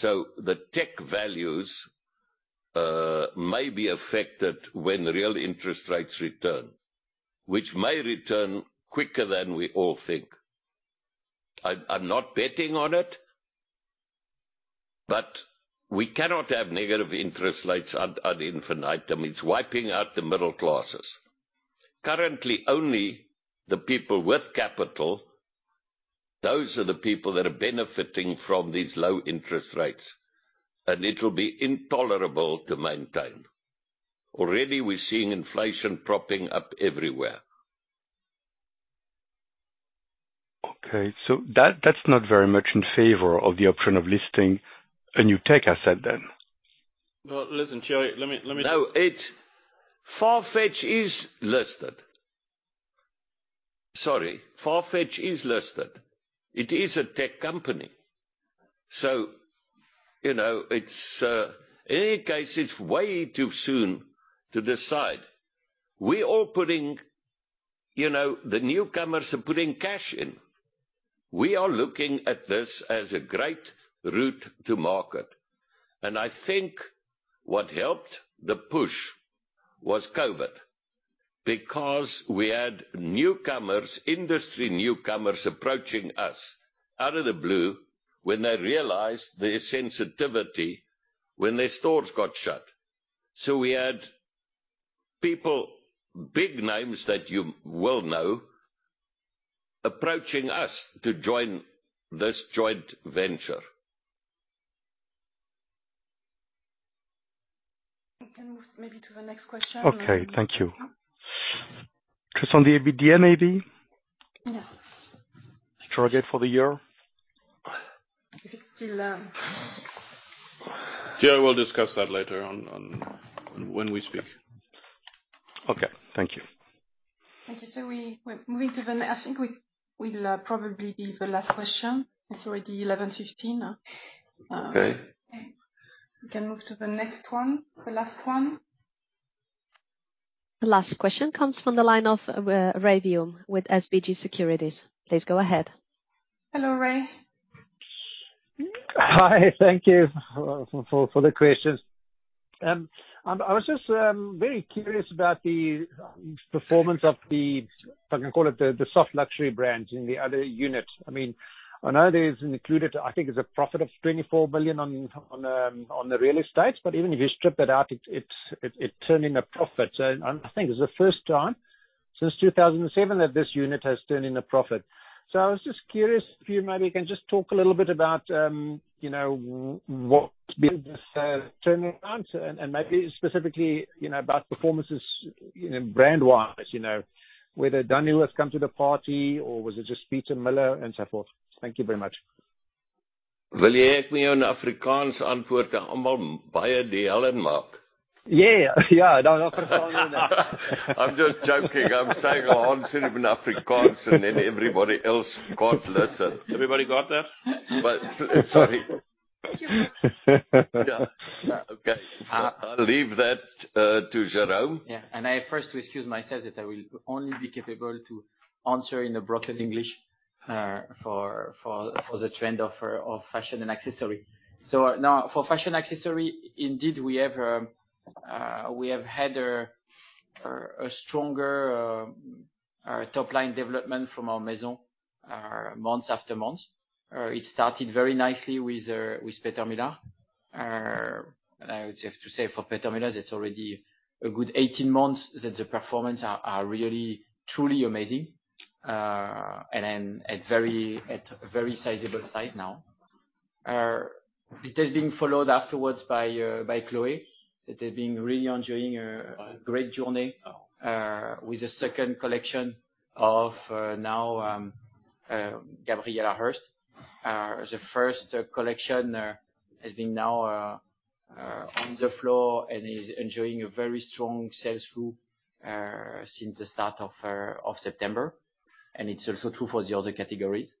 F: The tech values may be affected when real interest rates return, which may return quicker than we all think. I'm not betting on it, but we cannot have negative interest rates ad infinitum. It's wiping out the middle classes. Currently, only the people with capital, those are the people that are benefiting from these low interest rates, and it'll be intolerable to maintain. Already, we're seeing inflation popping up everywhere.
O: That's not very much in favor of the option of listing a new tech asset then.
C: Well, listen, Thierry, let me.
F: No, Farfetch is listed. Sorry, it is a tech company, so you know. In any case, it's way too soon to decide. We're all putting, you know, the newcomers are putting cash in. We are looking at this as a great route to market. I think what helped the push was COVID, because we had newcomers, industry newcomers approaching us out of the blue when they realized their sensitivity when their stores got shut. We had people, big names that you will know, approaching us to join this joint venture.
B: We can move maybe to the next question.
O: Okay, thank you. Just on the EBITDA, maybe.
B: Yes.
O: Target for the year.
B: If it's still, um-
C: Thierry, we'll discuss that later on when we speak.
O: Okay. Thank you.
B: Thank you, sir. I think we'll probably be the last question. It's already 11:15 A.M.
F: Okay.
B: We can move to the next one. The last one.
A: The last question comes from the line of Ray Hume with SBG Securities. Please go ahead.
B: Hello, Ray.
P: Hi. Thank you for the questions. I was just very curious about the performance of the, if I can call it, the soft luxury brands in the other unit. I mean, I know there's included, I think it's a profit of 24 million on the real estates, but even if you strip it out, it's turned in a profit. I think it's the first time since 2007 that this unit has turned in a profit. I was just curious if you maybe can just talk a little bit about, you know, what's been this turnaround, and maybe specifically, you know, about performances, you know, brand-wise, you know, whether Dunhill has come to the party or was it just Pieter Mulier and so forth. Thank you very much.
F: Will you like me to answer you in Afrikaans and make everyone very upset?
P: Yeah.
F: I'm just joking. I'm saying I'll answer it in Afrikaans, and then everybody else can't listen. Everybody got that? Sorry. Yeah. Okay. I'll leave that to Jérôme.
K: I first excuse myself that I will only be capable to answer in a broken English for the trend of fashion and accessory. Now, for fashion accessory, indeed we have had a stronger top line development from our maison month after month. It started very nicely with Pieter Mulier. I would have to say for Pieter Mulier, it's already a good 18 months that the performance are really truly amazing. Then at very sizable size now. It has been followed afterwards by Chloé. It has been really enjoying a great journey with the second collection of now Gabriela Hearst. The first collection has been now on the floor and is enjoying a very strong sales through since the start of of September, and it's also true for the other categories.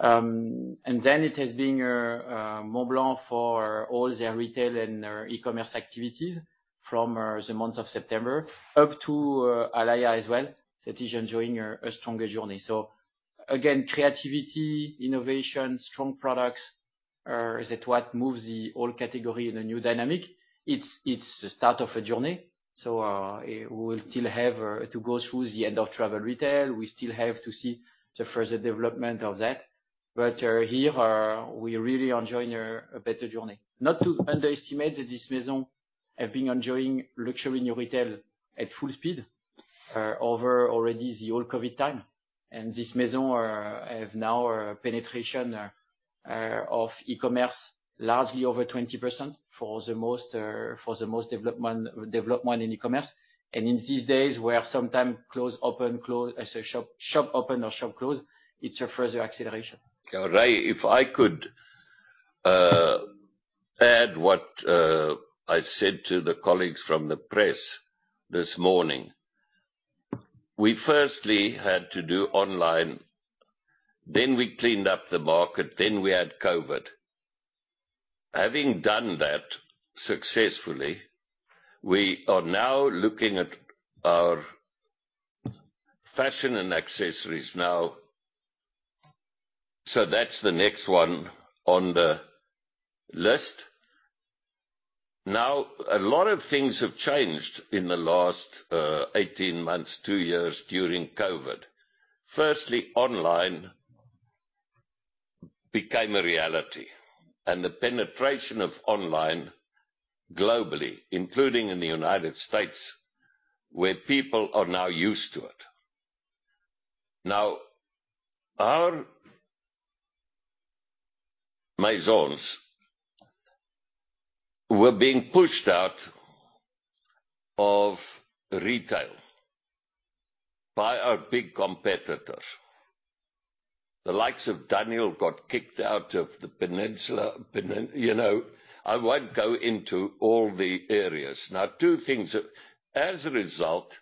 K: Then it has been Montblanc for all their retail and their e-commerce activities from the month of September, up to Alaïa as well. That is enjoying a stronger journey. Again, creativity, innovation, strong products is what moves the whole category in a new dynamic. It's the start of a journey. We'll still have to go through the end of travel retail. We still have to see the further development of that. Here, we're really enjoying a better journey. Not to underestimate that this maison have been enjoying luxury in retail at full speed, over already the whole COVID time. This maison have now a penetration of e-commerce largely over 20% for the most development in e-commerce. In these days where sometimes close, open, close, I say shop open or shop close, it's a further acceleration.
F: Ray, if I could, add what, I said to the colleagues from the press this morning. We firstly had to do online, then we cleaned up the market, then we had COVID. Having done that successfully, we are now looking at our fashion and accessories now. That's the next one on the list. Now, a lot of things have changed in the last 18 months, 2 years during COVID. Firstly, online became a reality and the penetration of online globally, including in the United States, where people are now used to it. Now, our maisons were being pushed out of retail by our big competitors. The likes of Dunhill got kicked out of the peninsula. You know, I won't go into all the areas. Now, two things. As a result,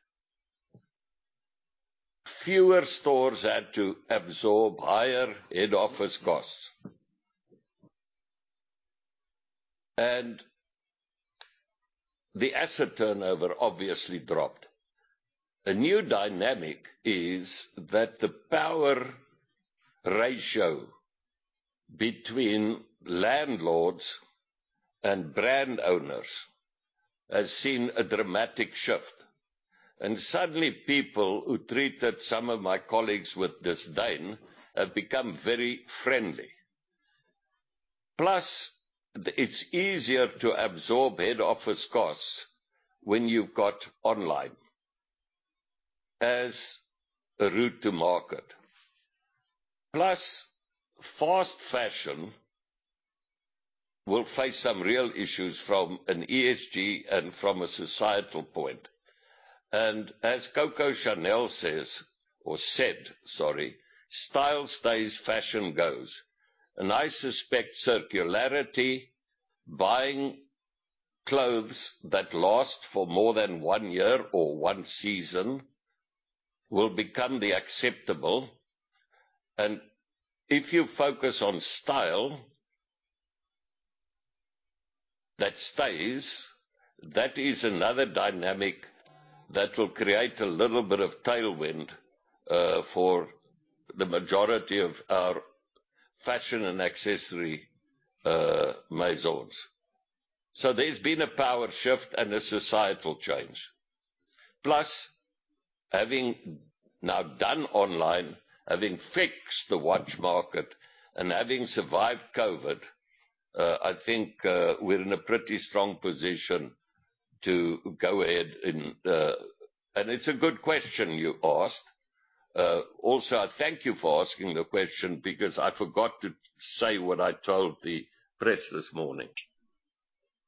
F: fewer stores had to absorb higher head office costs. The asset turnover obviously dropped. A new dynamic is that the power ratio between landlords and brand owners has seen a dramatic shift. Suddenly, people who treated some of my colleagues with disdain have become very friendly. Plus, it's easier to absorb head office costs when you've got online as a route to market. Plus, fast fashion will face some real issues from an ESG and from a societal point. As Coco Chanel says or said, sorry, "Style stays, fashion goes." I suspect circularity, buying clothes that last for more than one year or one season will become the acceptable. If you focus on style that stays, that is another dynamic that will create a little bit of tailwind for the majority of our fashion and accessory maisons. There's been a power shift and a societal change. Having now done online, having fixed the watch market and having survived COVID, I think we're in a pretty strong position to go ahead and. It's a good question you asked. Also, I thank you for asking the question because I forgot to say what I told the press this morning.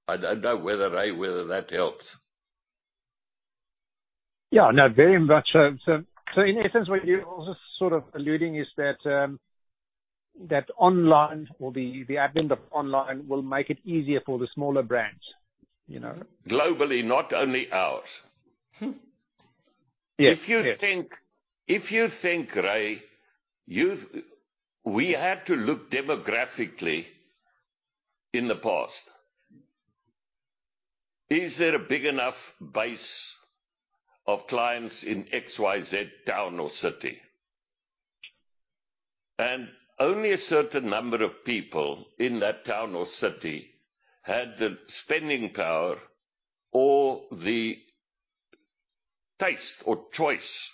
F: I don't know whether, Ray, that helps.
P: Yeah, no, very much so. In essence, what you're also sort of alluding is that online or the advent of online will make it easier for the smaller brands, you know?
F: Globally, not only ours.
P: Yes.
F: If you think, Ray, we had to look demographically in the past. Is there a big enough base of clients in XYZ town or city? Only a certain number of people in that town or city had the spending power or the taste or choice.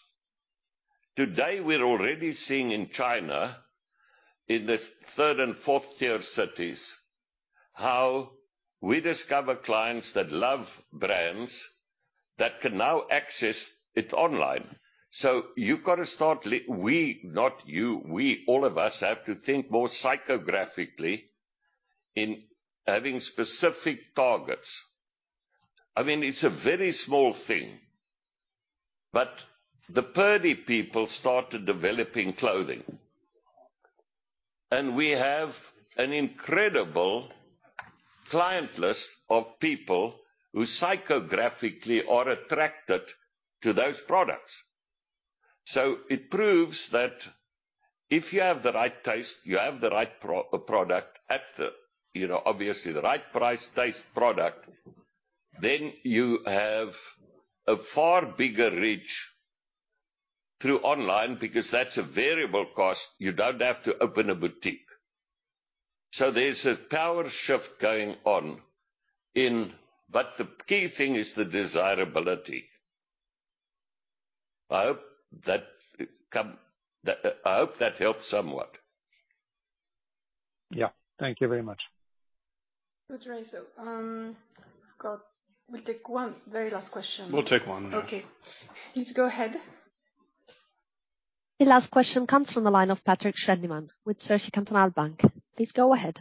F: Today, we're already seeing in China, in the third and fourth-tier cities, how we discover clients that love brands that can now access it online. We, not you, we, all of us, have to think more psychographically in having specific targets. I mean, it's a very small thing, but the Purdey people started developing clothing. We have an incredible client list of people who psychographically are attracted to those products. It proves that if you have the right taste, you have the right product at the obviously the right price, then you have a far bigger reach through online because that's a variable cost. You don't have to open a boutique. There's a power shift going on. The key thing is the desirability. I hope that helps somewhat.
P: Yeah. Thank you very much.
B: Good. Right. We'll take one very last question.
F: We'll take one.
B: Okay. Please go ahead.
A: The last question comes from the line of Patrik Schwendimann with Zürcher Kantonalbank. Please go ahead.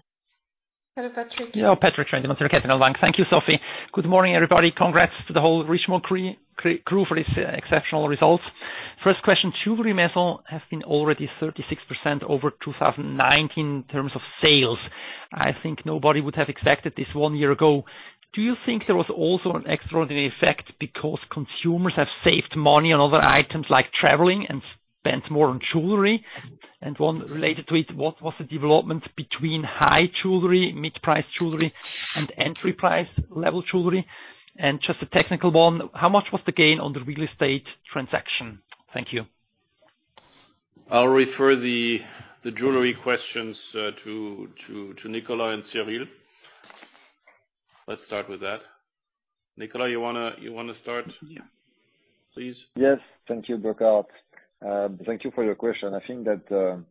B: Hello, Patrik.
Q: Yeah. Patrik Schwendimann, Zürcher Kantonalbank. Thank you, Sophie. Good morning, everybody. Congrats to the whole Richemont crew for these exceptional results. First question, jewelry maison has been already 36% over 2019 in terms of sales. I think nobody would have expected this one year ago. Do you think there was also an extraordinary effect because consumers have saved money on other items like traveling and spent more on jewelry? One related to it, what was the development between high jewelry, mid-price jewelry, and entry price level jewelry? Just a technical one, how much was the gain on the real estate transaction? Thank you.
C: I'll refer the jewelry questions to Nicolas and Cyrille. Let's start with that. Nicolas, you wanna start?
J: Yeah.
C: Please.
J: Yes. Thank you, Burkhart. Thank you for your question. I think that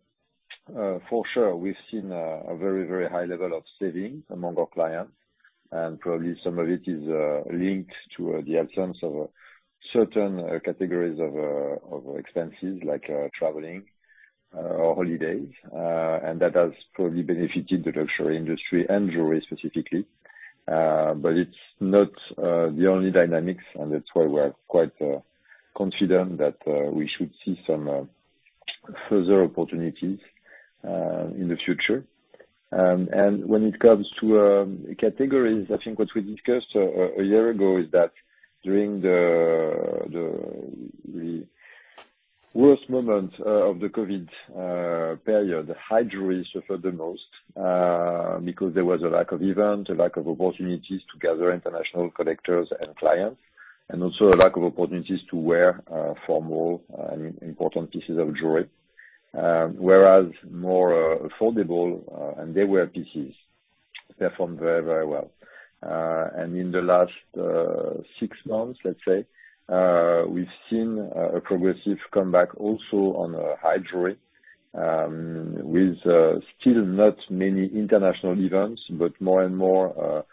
J: for sure, we've seen a very high level of saving among our clients, and probably some of it is linked to the absence of certain categories of expenses like traveling or holidays. That has probably benefited the luxury industry and jewelry specifically. It's not the only dynamics, and that's why we are quite confident that we should see some further opportunities in the future. When it comes to categories, I think what we discussed a year ago is that during the worst moment of the COVID period, high jewelry suffered the most because there was a lack of events, a lack of opportunities to gather international collectors and clients, and also a lack of opportunities to wear formal and important pieces of jewelry. Whereas more affordable and everyday pieces performed very well. In the last six months, let's say, we've seen a progressive comeback also on high jewelry with still not many international events, but more and more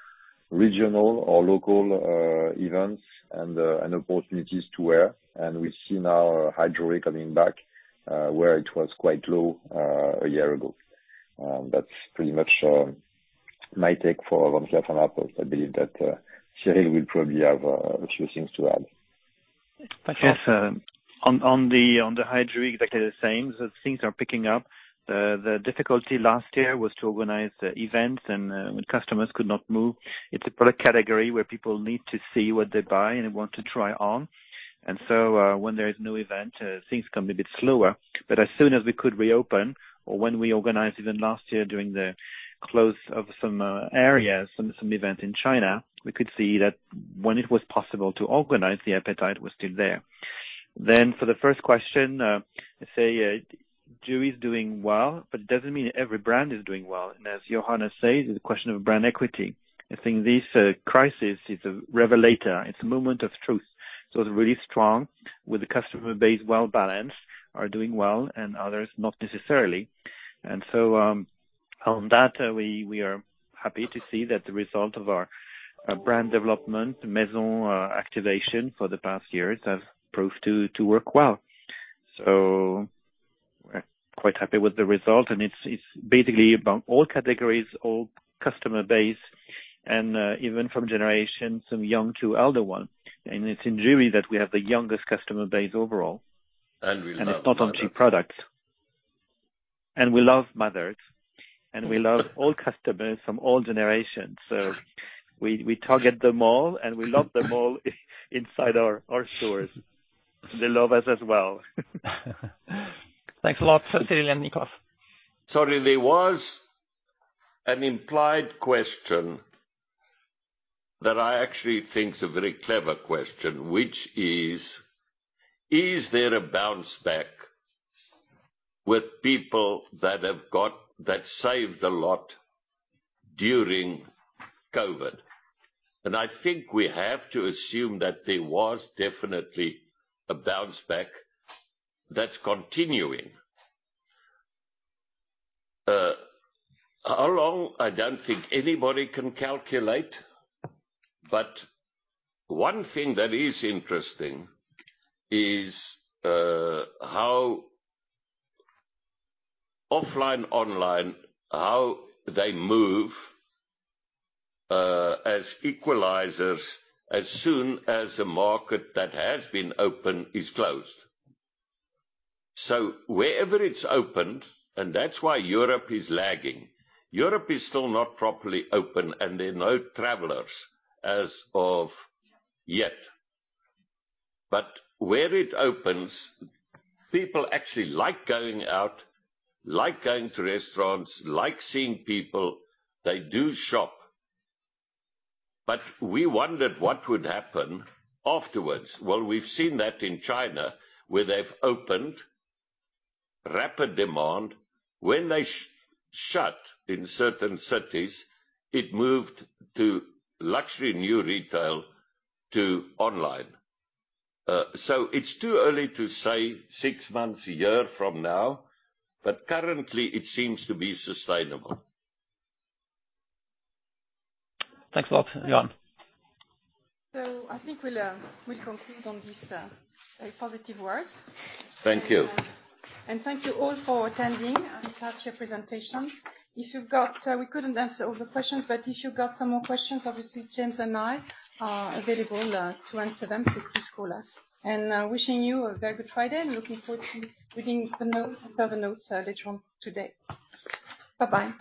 J: regional or local events and opportunities to wear. We've seen our high jewelry coming back where it was quite low a year ago. That's pretty much my take for Van Cleef & Arpels. I believe that Cyrille will probably have a few things to add.
I: Yes, on the jewelry, exactly the same. Things are picking up. The difficulty last year was to organize events and when customers could not move. It's a product category where people need to see what they buy and want to try on. When there is no event, things come a bit slower. As soon as we could reopen or when we organized even last year during the closure of some areas, some events in China, we could see that when it was possible to organize, the appetite was still there. For the first question, jewelry is doing well, but it doesn't mean every brand is doing well. As Johann says, it's a question of brand equity. I think this crisis is a revelator. It's a moment of truth. They're really strong with the customer base well balanced, and are doing well, and others not necessarily. On that, we are happy to see that the result of our brand development, the Maisons activation for the past years has proved to work well. We're quite happy with the result. It's basically about all categories, all customer bases and even across generations from young to older ones. It's in jewelry that we have the youngest customer base overall.
F: We love mothers.
I: It's not on cheap products. We love mothers. We love all customers from all generations. We target them all, and we love them all inside our stores. They love us as well.
F: Thanks a lot, Cyrille and Nicolas. Sorry, there was an implied question that I actually think is a very clever question, which is there a bounce back with people that saved a lot during COVID? I think we have to assume that there was definitely a bounce back that's continuing. How long? I don't think anybody can calculate. One thing that is interesting is, how offline, online, how they move, as equalizers as soon as a market that has been open is closed. Wherever it's opened, and that's why Europe is lagging. Europe is still not properly open, and there are no travelers as of yet. Where it opens, people actually like going out, like going to restaurants, like seeing people. They do shop. We wondered what would happen afterwards. Well, we've seen that in China, where they've opened, rapid demand. When they shut in certain cities, it moved to luxury new retail to online. It's too early to say six months, a year from now, but currently it seems to be sustainable.
Q: Thanks a lot. Johann.
B: I think we'll conclude on this positive words.
F: Thank you.
B: Thank you all for attending this H1 presentation. If you've got we couldn't answer all the questions, but if you've got some more questions, obviously James and I are available to answer them, so please call us. Wishing you a very good Friday and looking forward to reading the notes, further notes, later on today. Bye-bye.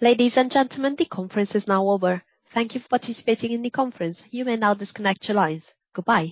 A: Ladies and gentlemen, the conference is now over. Thank you for participating in the conference. You may now disconnect your lines. Goodbye.